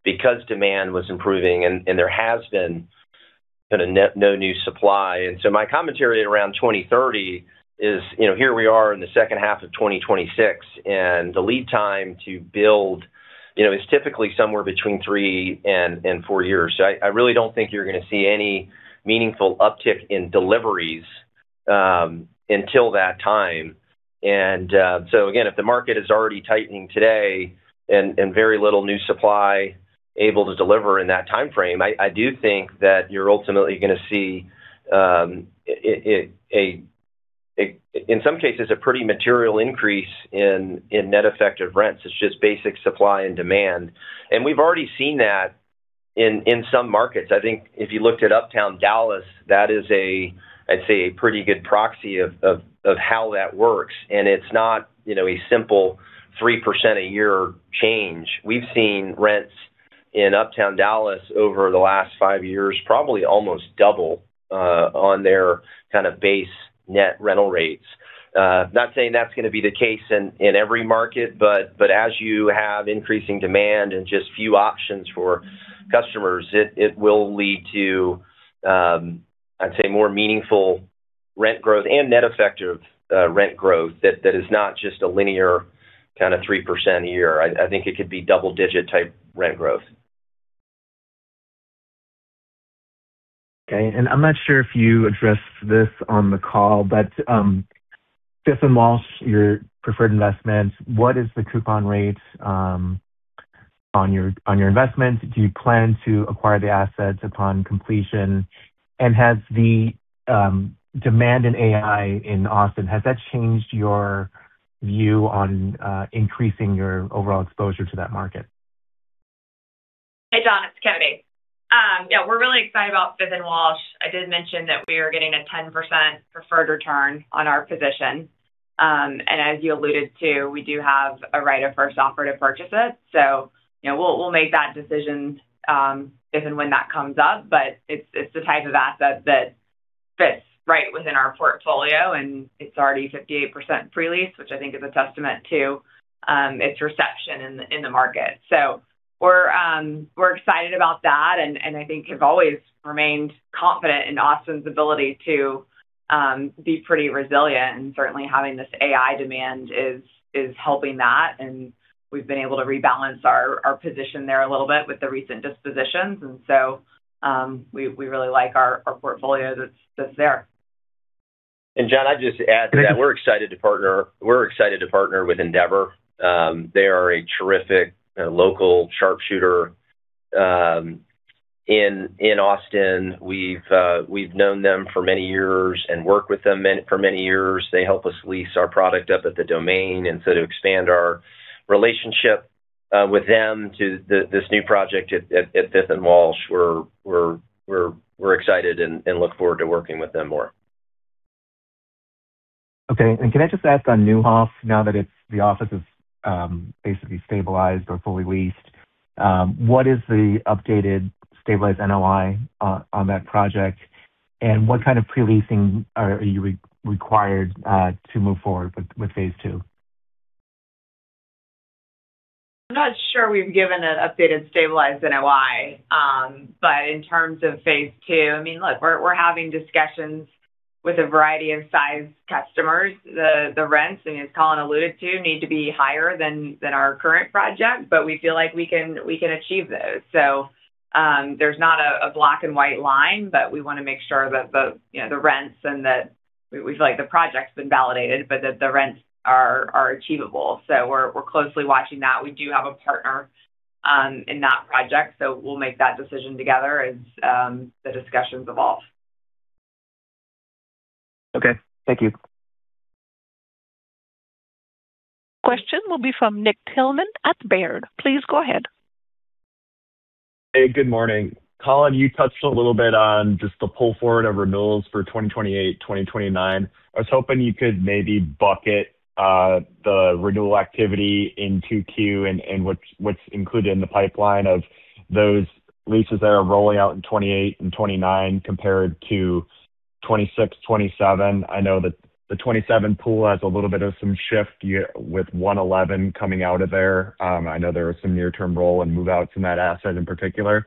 because demand was improving and there has been no new supply. My commentary around 2030 is here we are in the second half of 2026, and the lead time to build is typically somewhere between three and four years. I really don't think you're going to see any meaningful uptick in deliveries until that time. Again, if the market is already tightening today and very little new supply able to deliver in that timeframe, I do think that you're ultimately going to see, in some cases, a pretty material increase in net effective rents. It's just basic supply and demand. We've already seen that in some markets. I think if you looked at Uptown Dallas, that is, I'd say, a pretty good proxy of how that works. It's not a simple 3% a year change. We've seen rents in Uptown Dallas over the last five years, probably almost double on their base net rental rates. Not saying that's going to be the case in every market, but as you have increasing demand and just few options for customers, it will lead to, I'd say, more meaningful rent growth and net effective rent growth that is not just a linear 3% a year. I think it could be double-digit type rent growth. Okay. I'm not sure if you addressed this on the call, Fifth and Walsh, your preferred investment, what is the coupon rate on your investment? Do you plan to acquire the assets upon completion? Has the demand in AI in Austin, has that changed your view on increasing your overall exposure to that market? Hey, John, it's Kennedy. Yeah, we're really excited about Fifth and Walsh. I did mention that we are getting a 10% preferred return on our position. As you alluded to, we do have a right of first offer to purchase it. We'll make that decision if and when that comes up. It's the type of asset that fits right within our portfolio, and it's already 58% pre-leased, which I think is a testament to its reception in the market. We're excited about that and I think have always remained confident in Austin's ability to be pretty resilient. Certainly having this AI demand is helping that. We've been able to rebalance our position there a little bit with the recent dispositions. We really like our portfolio that's there. John, I'd just add to that. We're excited to partner with Endeavor. They are a terrific local sharpshooter in Austin. We've known them for many years and worked with them for many years. They help us lease our product up at The Domain. To expand our relationship with them to this new project at Fifth and Walsh, we're excited and look forward to working with them more. Okay. Can I just ask on Neuhoff, now that the office is basically stabilized or fully leased, what is the updated stabilized NOI on that project, and what kind of pre-leasing are you required to move forward with phase II? I'm not sure we've given an updated stabilized NOI. In terms of phase II, look, we're having discussions with a variety of size customers. The rents, and as Colin alluded to, need to be higher than our current project, but we feel like we can achieve those. There's not a black and white line, but we want to make sure that the rents and that we feel like the project's been validated, but that the rents are achievable. We're closely watching that. We do have a partner in that project, so we'll make that decision together as the discussions evolve. Okay. Thank you. Question will be from Nick Thillman at Baird. Please go ahead. Hey, good morning. Colin Connolly, you touched a little bit on just the pull forward of renewals for 2028, 2029. I was hoping you could maybe bucket the renewal activity in Q2 and what's included in the pipeline of those leases that are rolling out in 2028 and 2029 compared to 2026, 2027. I know that the 2027 pool has a little bit of some shift with 111 coming out of there. I know there was some near-term roll and move out from that asset in particular.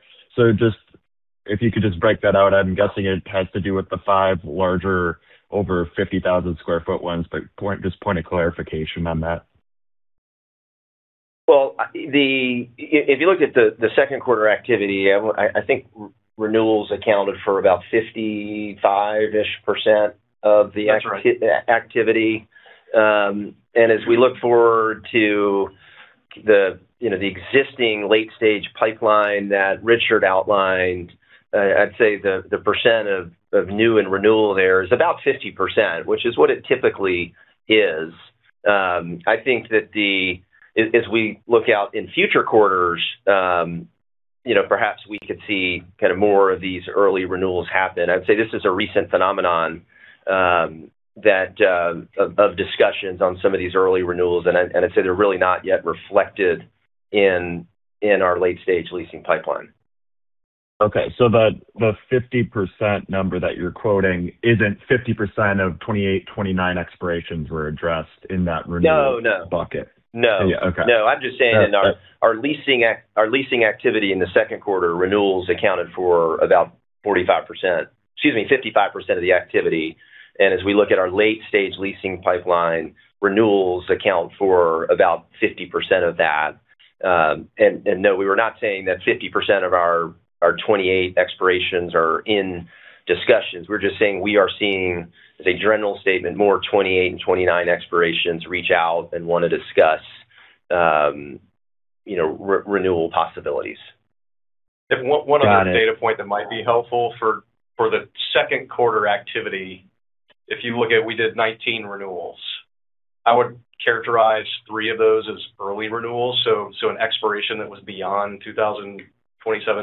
If you could just break that out. I'm guessing it has to do with the five larger over 50,000 sq ft ones, just point of clarification on that. Well, if you looked at the second quarter activity, I think renewals accounted for about 55-ish%. That's right. Activity. As we look forward to the existing late stage pipeline that Richard outlined, I'd say the percent of new and renewal there is about 50%, which is what it typically is. I think that as we look out in future quarters, perhaps we could see more of these early renewals happen. I'd say this is a recent phenomenon of discussions on some of these early renewals, and I'd say they're really not yet reflected in our late stage leasing pipeline. Okay. The 50% number that you're quoting isn't 50% of 2028, 2029 expirations were addressed in that renewal- No. Bucket. No. Okay. No, I'm just saying our leasing activity in the second quarter renewals accounted for about 55% of the activity. As we look at our late-stage leasing pipeline, renewals account for about 50% of that. No, we were not saying that 50% of our 2028 expirations are in discussions. We're just saying we are seeing, as a general statement, more 2028 and 2029 expirations reach out and want to discuss renewal possibilities. Got it. One other data point that might be helpful. For the second quarter activity, if you look at, we did 19 renewals. I would characterize three of those as early renewals, so an expiration that was beyond 2027,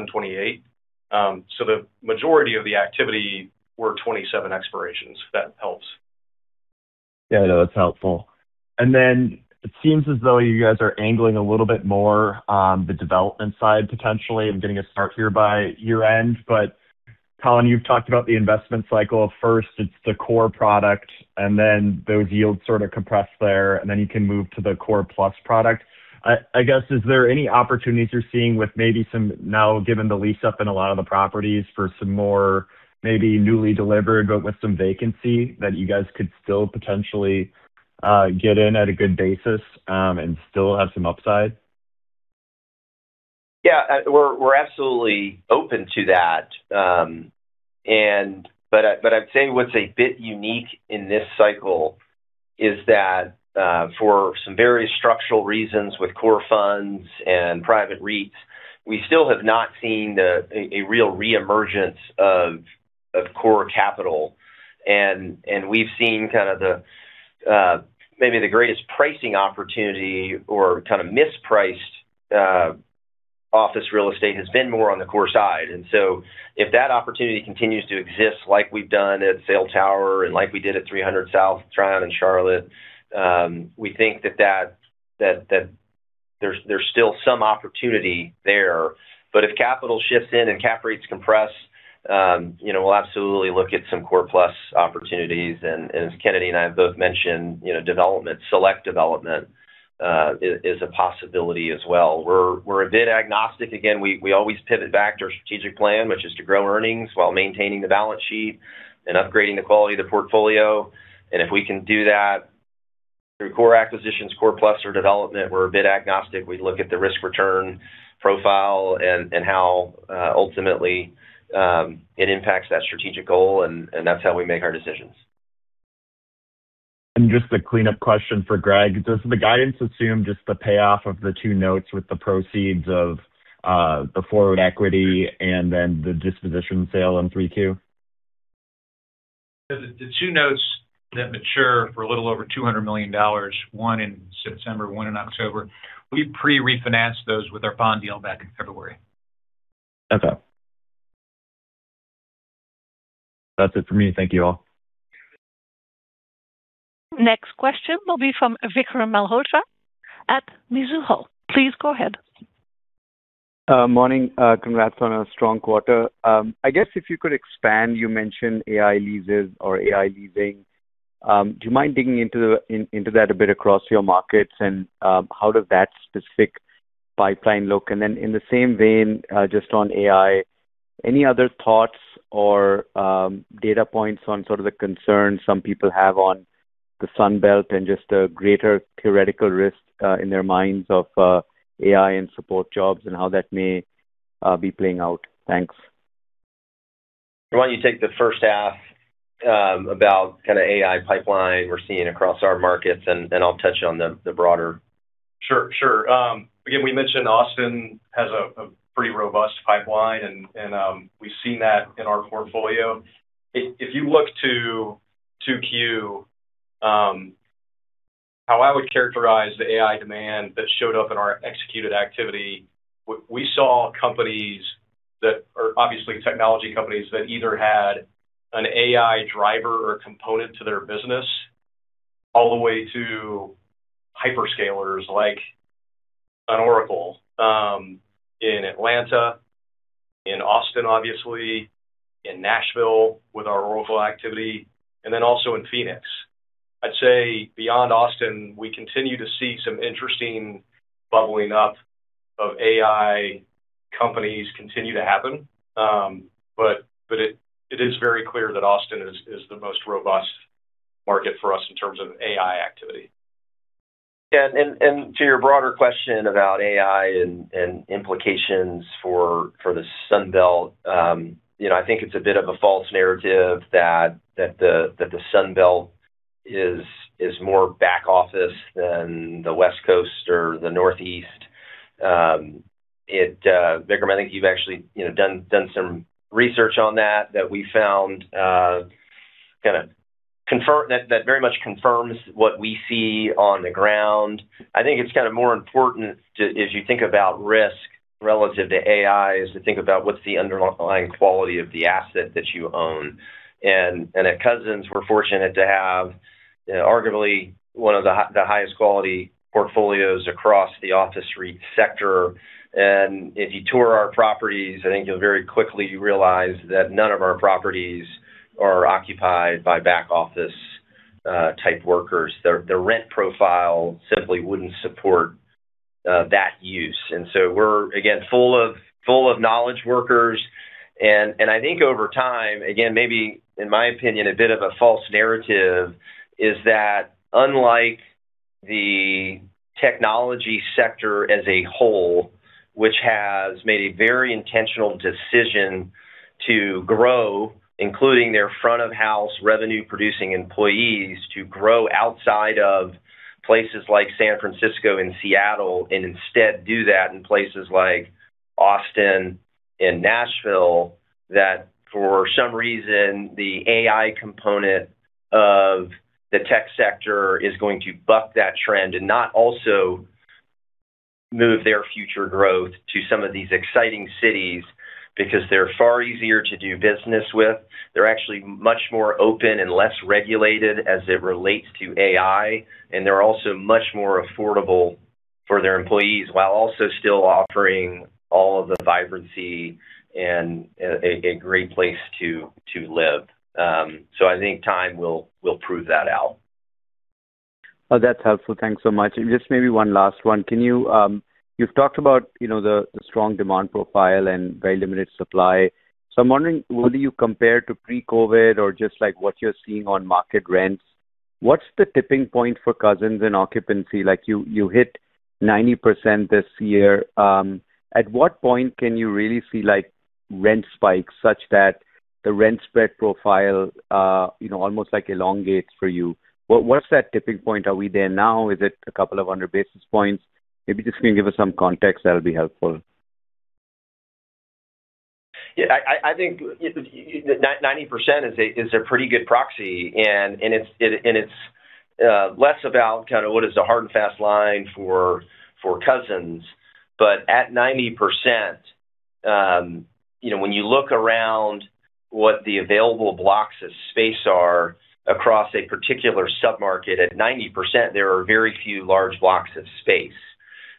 2028. The majority of the activity were 2027 expirations, if that helps. That's helpful. It seems as though you guys are angling a little bit more on the development side, potentially, of getting a start here by year-end. Colin, you've talked about the investment cycle. First, it's the core product. Those yields sort of compress there. You can move to the core plus product. I guess, is there any opportunities you're seeing with maybe some, now given the lease-up in a lot of the properties for some more, maybe newly delivered but with some vacancy, that you guys could still potentially get in at a good basis, and still have some upside? We're absolutely open to that. I'd say what's a bit unique in this cycle is that, for some very structural reasons with core funds and private REITs, we still have not seen a real re-emergence of core capital. We've seen kind of the, maybe the greatest pricing opportunity or kind of mispriced office real estate has been more on the core side. If that opportunity continues to exist like we've done at Sail Tower and like we did at 300 South Tryon in Charlotte, we think that there's still some opportunity there. If capital shifts in and cap rates compress, we'll absolutely look at some core plus opportunities. As Kennedy and I have both mentioned, development, select development, is a possibility as well. We're a bit agnostic. Again, we always pivot back to our strategic plan, which is to grow earnings while maintaining the balance sheet and upgrading the quality of the portfolio. If we can do that through core acquisitions, core plus or development, we're a bit agnostic. We look at the risk-return profile and how ultimately, it impacts that strategic goal, that's how we make our decisions. Just a cleanup question for Gregg. Does the guidance assume just the payoff of the two notes with the proceeds of the forward equity and then the disposition sale in three-two? The two notes that mature for a little over $200 million, one in September, one in October, we pre-refinanced those with our bond deal back in February. Okay. That's it for me. Thank you, all. Next question will be from Vikram Malhotra at Mizuho. Please go ahead. Morning. Congrats on a strong quarter. If you could expand, you mentioned AI leases or AI leasing. Do you mind digging into that a bit across your markets, how does that specific pipeline look? In the same vein, just on AI, any other thoughts or data points on sort of the concerns some people have on the Sun Belt and just a greater theoretical risk, in their minds of, AI and support jobs and how that may be playing out? Thanks. Why don't you take the first half about kind of AI pipeline we're seeing across our markets, and I'll touch on the broader. Sure. We mentioned Austin has a pretty robust pipeline, and we've seen that in our portfolio. If you look to 2Q, how I would characterize the AI demand that showed up in our executed activity, we saw companies that are obviously technology companies that either had an AI driver or component to their business, all the way to hyperscalers like an Oracle, in Atlanta, in Austin, obviously, in Nashville with our Oracle activity, also in Phoenix. I'd say beyond Austin, we continue to see some interesting bubbling up of AI companies continue to happen. It is very clear that Austin is the most robust market for us in terms of AI activity. Yeah. To your broader question about AI and implications for the Sun Belt. I think it's a bit of a false narrative that the Sun Belt is more back office than the West Coast or the Northeast. Vikram, I think you've actually done some research on that that we found kind of confirms what we see on the ground. I think it's kind of more important to, as you think about risk relative to AI, is to think about what's the underlying quality of the asset that you own. At Cousins, we're fortunate to have Arguably one of the highest quality portfolios across the office REIT sector. If you tour our properties, I think you'll very quickly realize that none of our properties are occupied by back office type workers. Their rent profile simply wouldn't support that use. We're, again, full of knowledge workers. I think over time, again, maybe in my opinion, a bit of a false narrative is that unlike the technology sector as a whole, which has made a very intentional decision to grow, including their front of house revenue producing employees to grow outside of places like San Francisco and Seattle, instead do that in places like Austin and Nashville, that for some reason, the AI component of the tech sector is going to buck that trend and not also move their future growth to some of these exciting cities because they're far easier to do business with. They're actually much more open and less regulated as it relates to AI, and they're also much more affordable for their employees, while also still offering all of the vibrancy and a great place to live. I think time will prove that out. That's helpful. Thanks so much. Just maybe one last one. You've talked about the strong demand profile and very limited supply. I'm wondering, whether you compare to pre-COVID or just what you're seeing on market rents, what's the tipping point for Cousins in occupancy? Like, you hit 90% this year. At what point can you really see rent spikes such that the rent spread profile almost elongates for you? What's that tipping point? Are we there now? Is it a couple of 100 basis points? Maybe just can you give us some context, that'll be helpful. I think 90% is a pretty good proxy, and it's less about kind of what is a hard and fast line for Cousins. At 90%, when you look around what the available blocks of space are across a particular sub-market, at 90%, there are very few large blocks of space.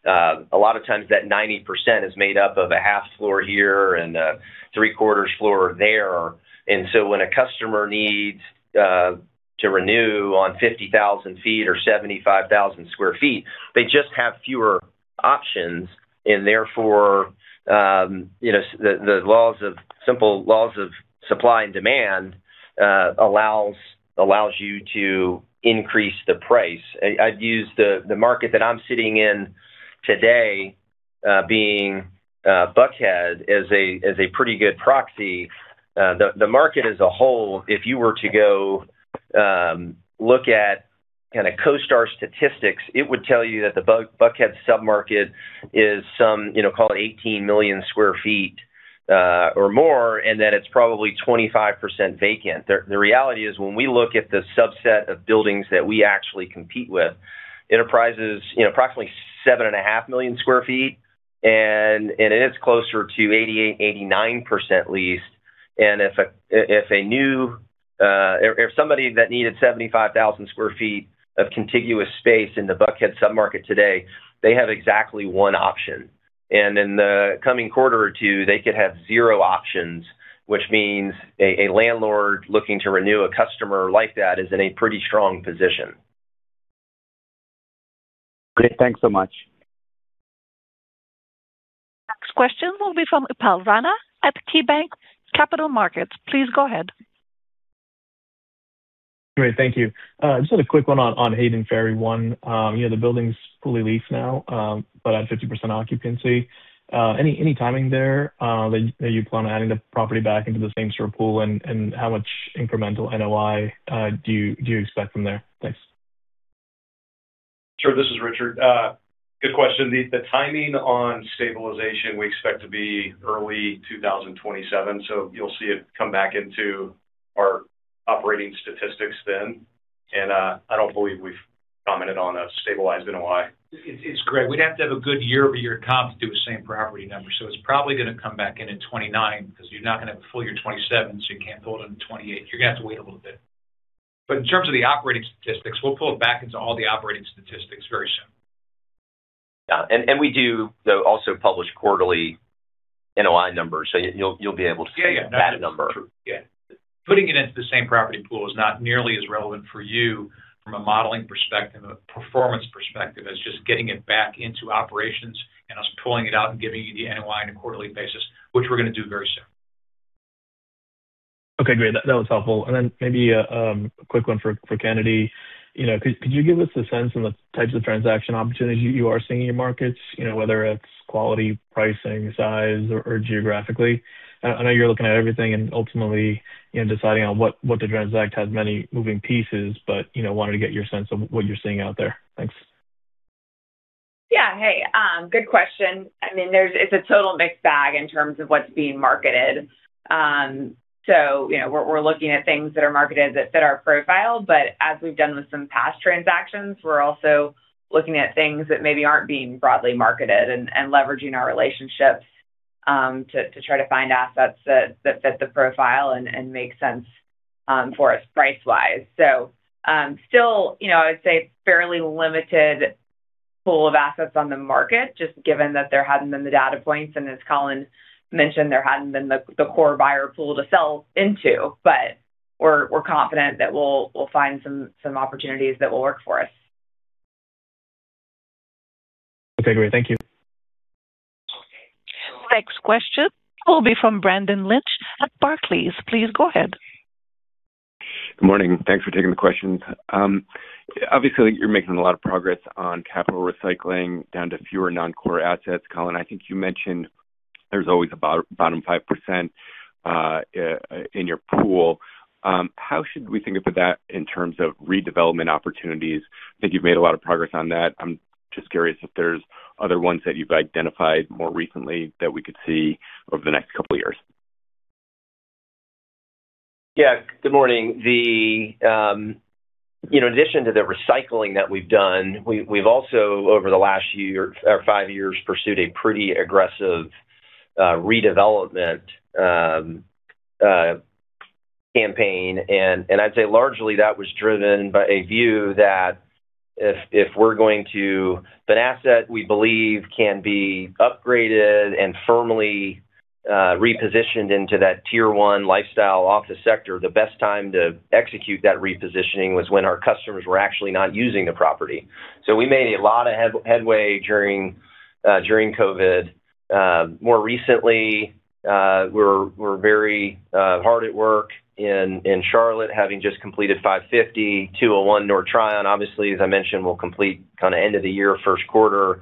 A lot of times that 90% is made up of a half floor here and a three-quarters floor there. When a customer needs to renew on 50,000 feet or 75,000 square feet, they just have fewer options and therefore, the simple laws of supply and demand allows you to increase the price. I'd use the market that I'm sitting in today, being Buckhead, as a pretty good proxy. The market as a whole, if you were to go look at kind of CoStar statistics, it would tell you that the Buckhead sub-market is some, call it 18 million sq ft or more, and that it's probably 25% vacant. The reality is, when we look at the subset of buildings that we actually compete with, Enterprises, approximately 7.5 million sq ft, and it is closer to 88%, 89% leased. If somebody that needed 75,000 sq ft of contiguous space in the Buckhead sub-market today, they have exactly one option. In the coming quarter or two, they could have zero options, which means a landlord looking to renew a customer like that is in a pretty strong position. Great. Thanks so much. Next question will be from Upal Rana at KeyBanc Capital Markets. Please go ahead. Great. Thank you. Just had a quick one on Hayden Ferry I. The building's fully leased now, but at 50% occupancy. Any timing there that you plan on adding the property back into the same sort of pool? How much incremental NOI do you expect from there? Thanks. Sure. This is Richard. Good question. The timing on stabilization, we expect to be early 2027, so you'll see it come back into our operating statistics then. I don't believe we've commented on a stabilized NOI. It's great. We'd have to have a good year-over-year comp to do a same property number. It's probably going to come back in at 2029 because you're not going to have a full year 2027, so you can't build it in 2028. You're going to have to wait a little bit. In terms of the operating statistics, we'll pull it back into all the operating statistics very soon. Yeah. We do, though, also publish quarterly NOI numbers, so you'll be able to see that number. Yeah. That's true. Yeah. Putting it into the same property pool is not nearly as relevant for you from a modeling perspective, a performance perspective, as just getting it back into operations and us pulling it out and giving you the NOI on a quarterly basis, which we're going to do very soon. Okay, great. That was helpful. Maybe a quick one for Kennedy. Could you give us a sense on the types of transaction opportunities you are seeing in your markets, whether it's quality, pricing, size, or geographically? I know you're looking at everything and ultimately deciding on what to transact has many moving pieces, wanted to get your sense of what you're seeing out there. Thanks. Yeah. Hey. Good question. It's a total mixed bag in terms of what's being marketed. We're looking at things that are marketed that fit our profile. As we've done with some past transactions, we're also looking at things that maybe aren't being broadly marketed and leveraging our relationships to try to find assets that fit the profile and make sense for us price-wise. Still, I would say it's a fairly limited pool of assets on the market, just given that there hadn't been the data points, and as Colin Connolly mentioned, there hadn't been the core buyer pool to sell into. We're confident that we'll find some opportunities that will work for us. Okay, great. Thank you. Next question will be from Brendan Lynch at Barclays. Please go ahead. Good morning. Thanks for taking the questions. Obviously, you're making a lot of progress on capital recycling down to fewer non-core assets. Colin, I think you mentioned there's always a bottom 5% in your pool. How should we think about that in terms of redevelopment opportunities? I think you've made a lot of progress on that. I'm just curious if there's other ones that you've identified more recently that we could see over the next couple of years. Yeah. Good morning. In addition to the recycling that we've done, we've also, over the last year or five years, pursued a pretty aggressive redevelopment campaign. I'd say largely that was driven by a view that If an asset, we believe can be upgraded and firmly repositioned into that tier 1 lifestyle office sector, the best time to execute that repositioning was when our customers were actually not using the property. We made a lot of headway during COVID. More recently, we're very hard at work in Charlotte, having just completed 550, 201 North Tryon, obviously, as I mentioned, will complete kind of end of the year, first quarter.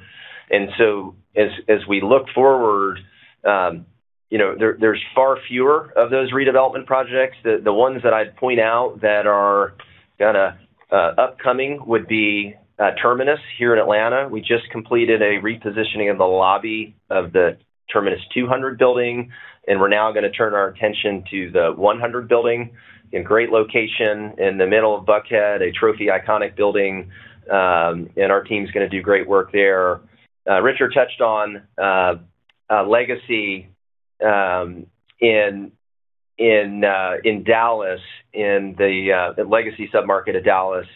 As we look forward, there's far fewer of those redevelopment projects. The ones that I'd point out that are kind of upcoming would be Terminus here in Atlanta. We just completed a repositioning of the lobby of the Terminus 200 building, we're now going to turn our attention to the 100 building. A great location in the middle of Buckhead, a trophy iconic building. Our team's going to do great work there. Richard touched on Legacy in Dallas, in the Legacy submarket of Dallas.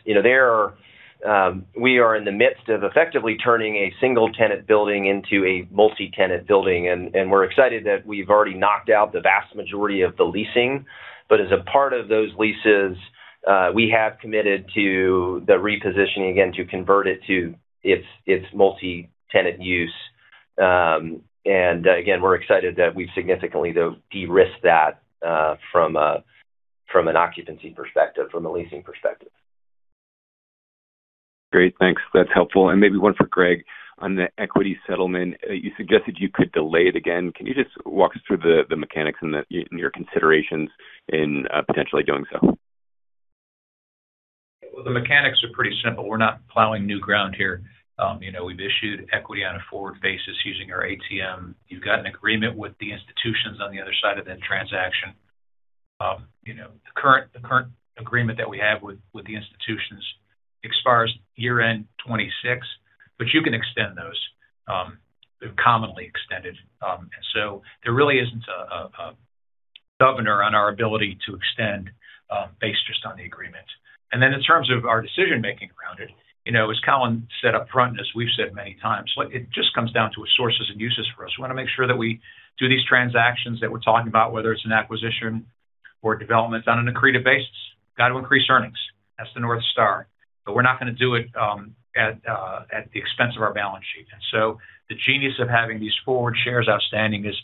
We are in the midst of effectively turning a single tenant building into a multi-tenant building. We're excited that we've already knocked out the vast majority of the leasing. As a part of those leases, we have committed to the repositioning, again, to convert it to its multi-tenant use. Again, we're excited that we've significantly de-risked that from an occupancy perspective, from a leasing perspective. Great. Thanks. That's helpful. Maybe one for Gregg on the equity settlement. You suggested you could delay it again. Can you just walk us through the mechanics and your considerations in potentially doing so? Well, the mechanics are pretty simple. We're not plowing new ground here. We've issued equity on a forward basis using our ATM. You've got an agreement with the institutions on the other side of that transaction. The current agreement that we have with the institutions expires year-end 2026, but you can extend those. They're commonly extended. There really isn't a governor on our ability to extend based just on the agreement. Then in terms of our decision making around it, as Colin said upfront, as we've said many times, it just comes down to a sources and uses for us. We want to make sure that we do these transactions that we're talking about, whether it's an acquisition or development, on an accretive basis. Got to increase earnings. That's the North Star. We're not going to do it at the expense of our balance sheet. The genius of having these forward shares outstanding is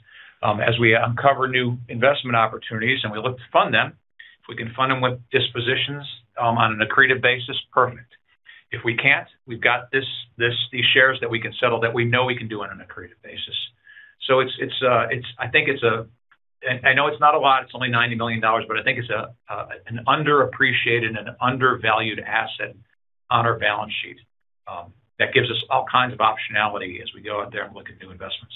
as we uncover new investment opportunities and we look to fund them, if we can fund them with dispositions on an accretive basis, perfect. If we can't, we've got these shares that we can settle that we know we can do on an accretive basis. I know it's not a lot, it's only $90 million, I think it's an underappreciated and undervalued asset on our balance sheet that gives us all kinds of optionality as we go out there and look at new investments.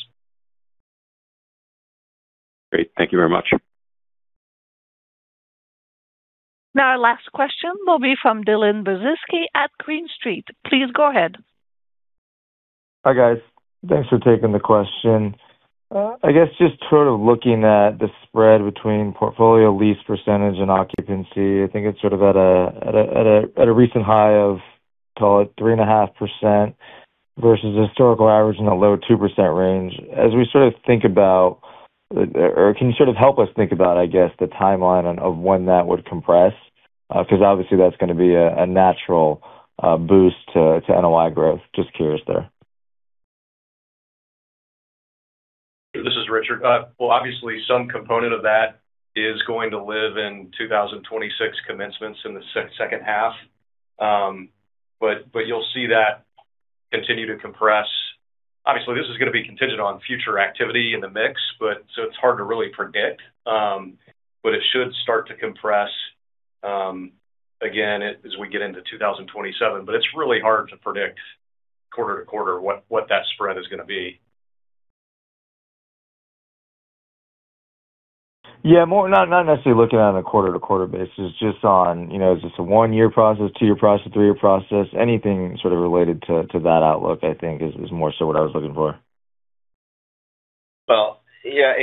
Great. Thank you very much. Our last question will be from Dylan Burzinski at Green Street. Please go ahead. Hi, guys. Thanks for taking the question. I guess just sort of looking at the spread between portfolio lease percentage and occupancy. I think it's sort of at a recent high of, call it 3.5% versus the historical average in the low 2% range. Can you sort of help us think about, I guess, the timeline of when that would compress? Obviously that's going to be a natural boost to NOI growth. Just curious there. This is Richard. Well, obviously some component of that is going to live in 2026 commencements in the second half. You'll see that continue to compress. Obviously, this is going to be contingent on future activity in the mix, it's hard to really predict. It should start to compress again as we get into 2027. It's really hard to predict quarter to quarter what that spread is going to be. Yeah. Not necessarily looking at it on a quarter-to-quarter basis, just on, is this a one-year process, two-year process, three-year process? Anything sort of related to that outlook, I think, is more so what I was looking for. Well, yeah.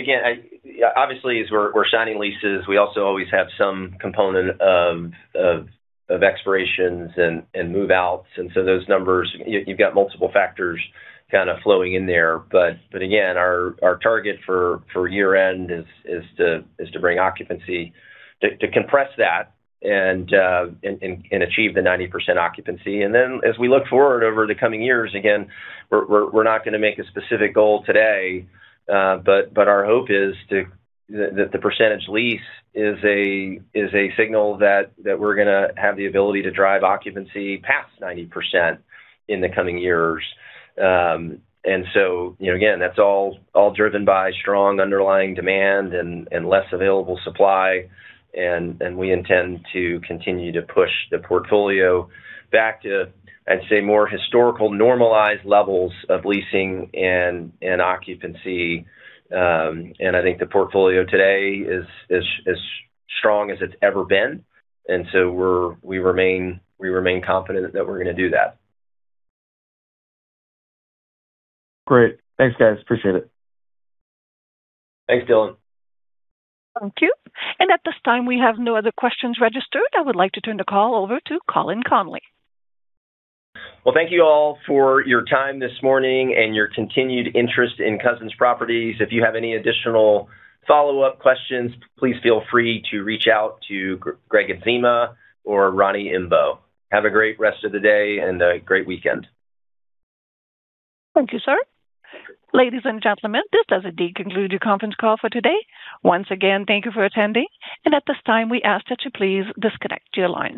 Obviously, as we're signing leases, we also always have some component of expirations and move-outs. Those numbers, you've got multiple factors kind of flowing in there. Our target for year-end is to bring occupancy, to compress that and achieve the 90% occupancy. As we look forward over the coming years, again, we're not going to make a specific goal today, but our hope is that the percentage lease is a signal that we're going to have the ability to drive occupancy past 90% in the coming years. That's all driven by strong underlying demand and less available supply, and we intend to continue to push the portfolio back to, I'd say, more historical normalized levels of leasing and occupancy. I think the portfolio today is as strong as it's ever been, we remain confident that we're going to do that. Great. Thanks, guys. Appreciate it. Thanks, Dylan. Thank you. At this time, we have no other questions registered. I would like to turn the call over to Colin Connolly. Well, thank you all for your time this morning and your continued interest in Cousins Properties. If you have any additional follow-up questions, please feel free to reach out to Gregg Adzema or Roni Imbeaux. Have a great rest of the day and a great weekend. Thank you, sir. Ladies and gentlemen, this does indeed conclude the conference call for today. Once again, thank you for attending, and at this time, we ask that you please disconnect your lines.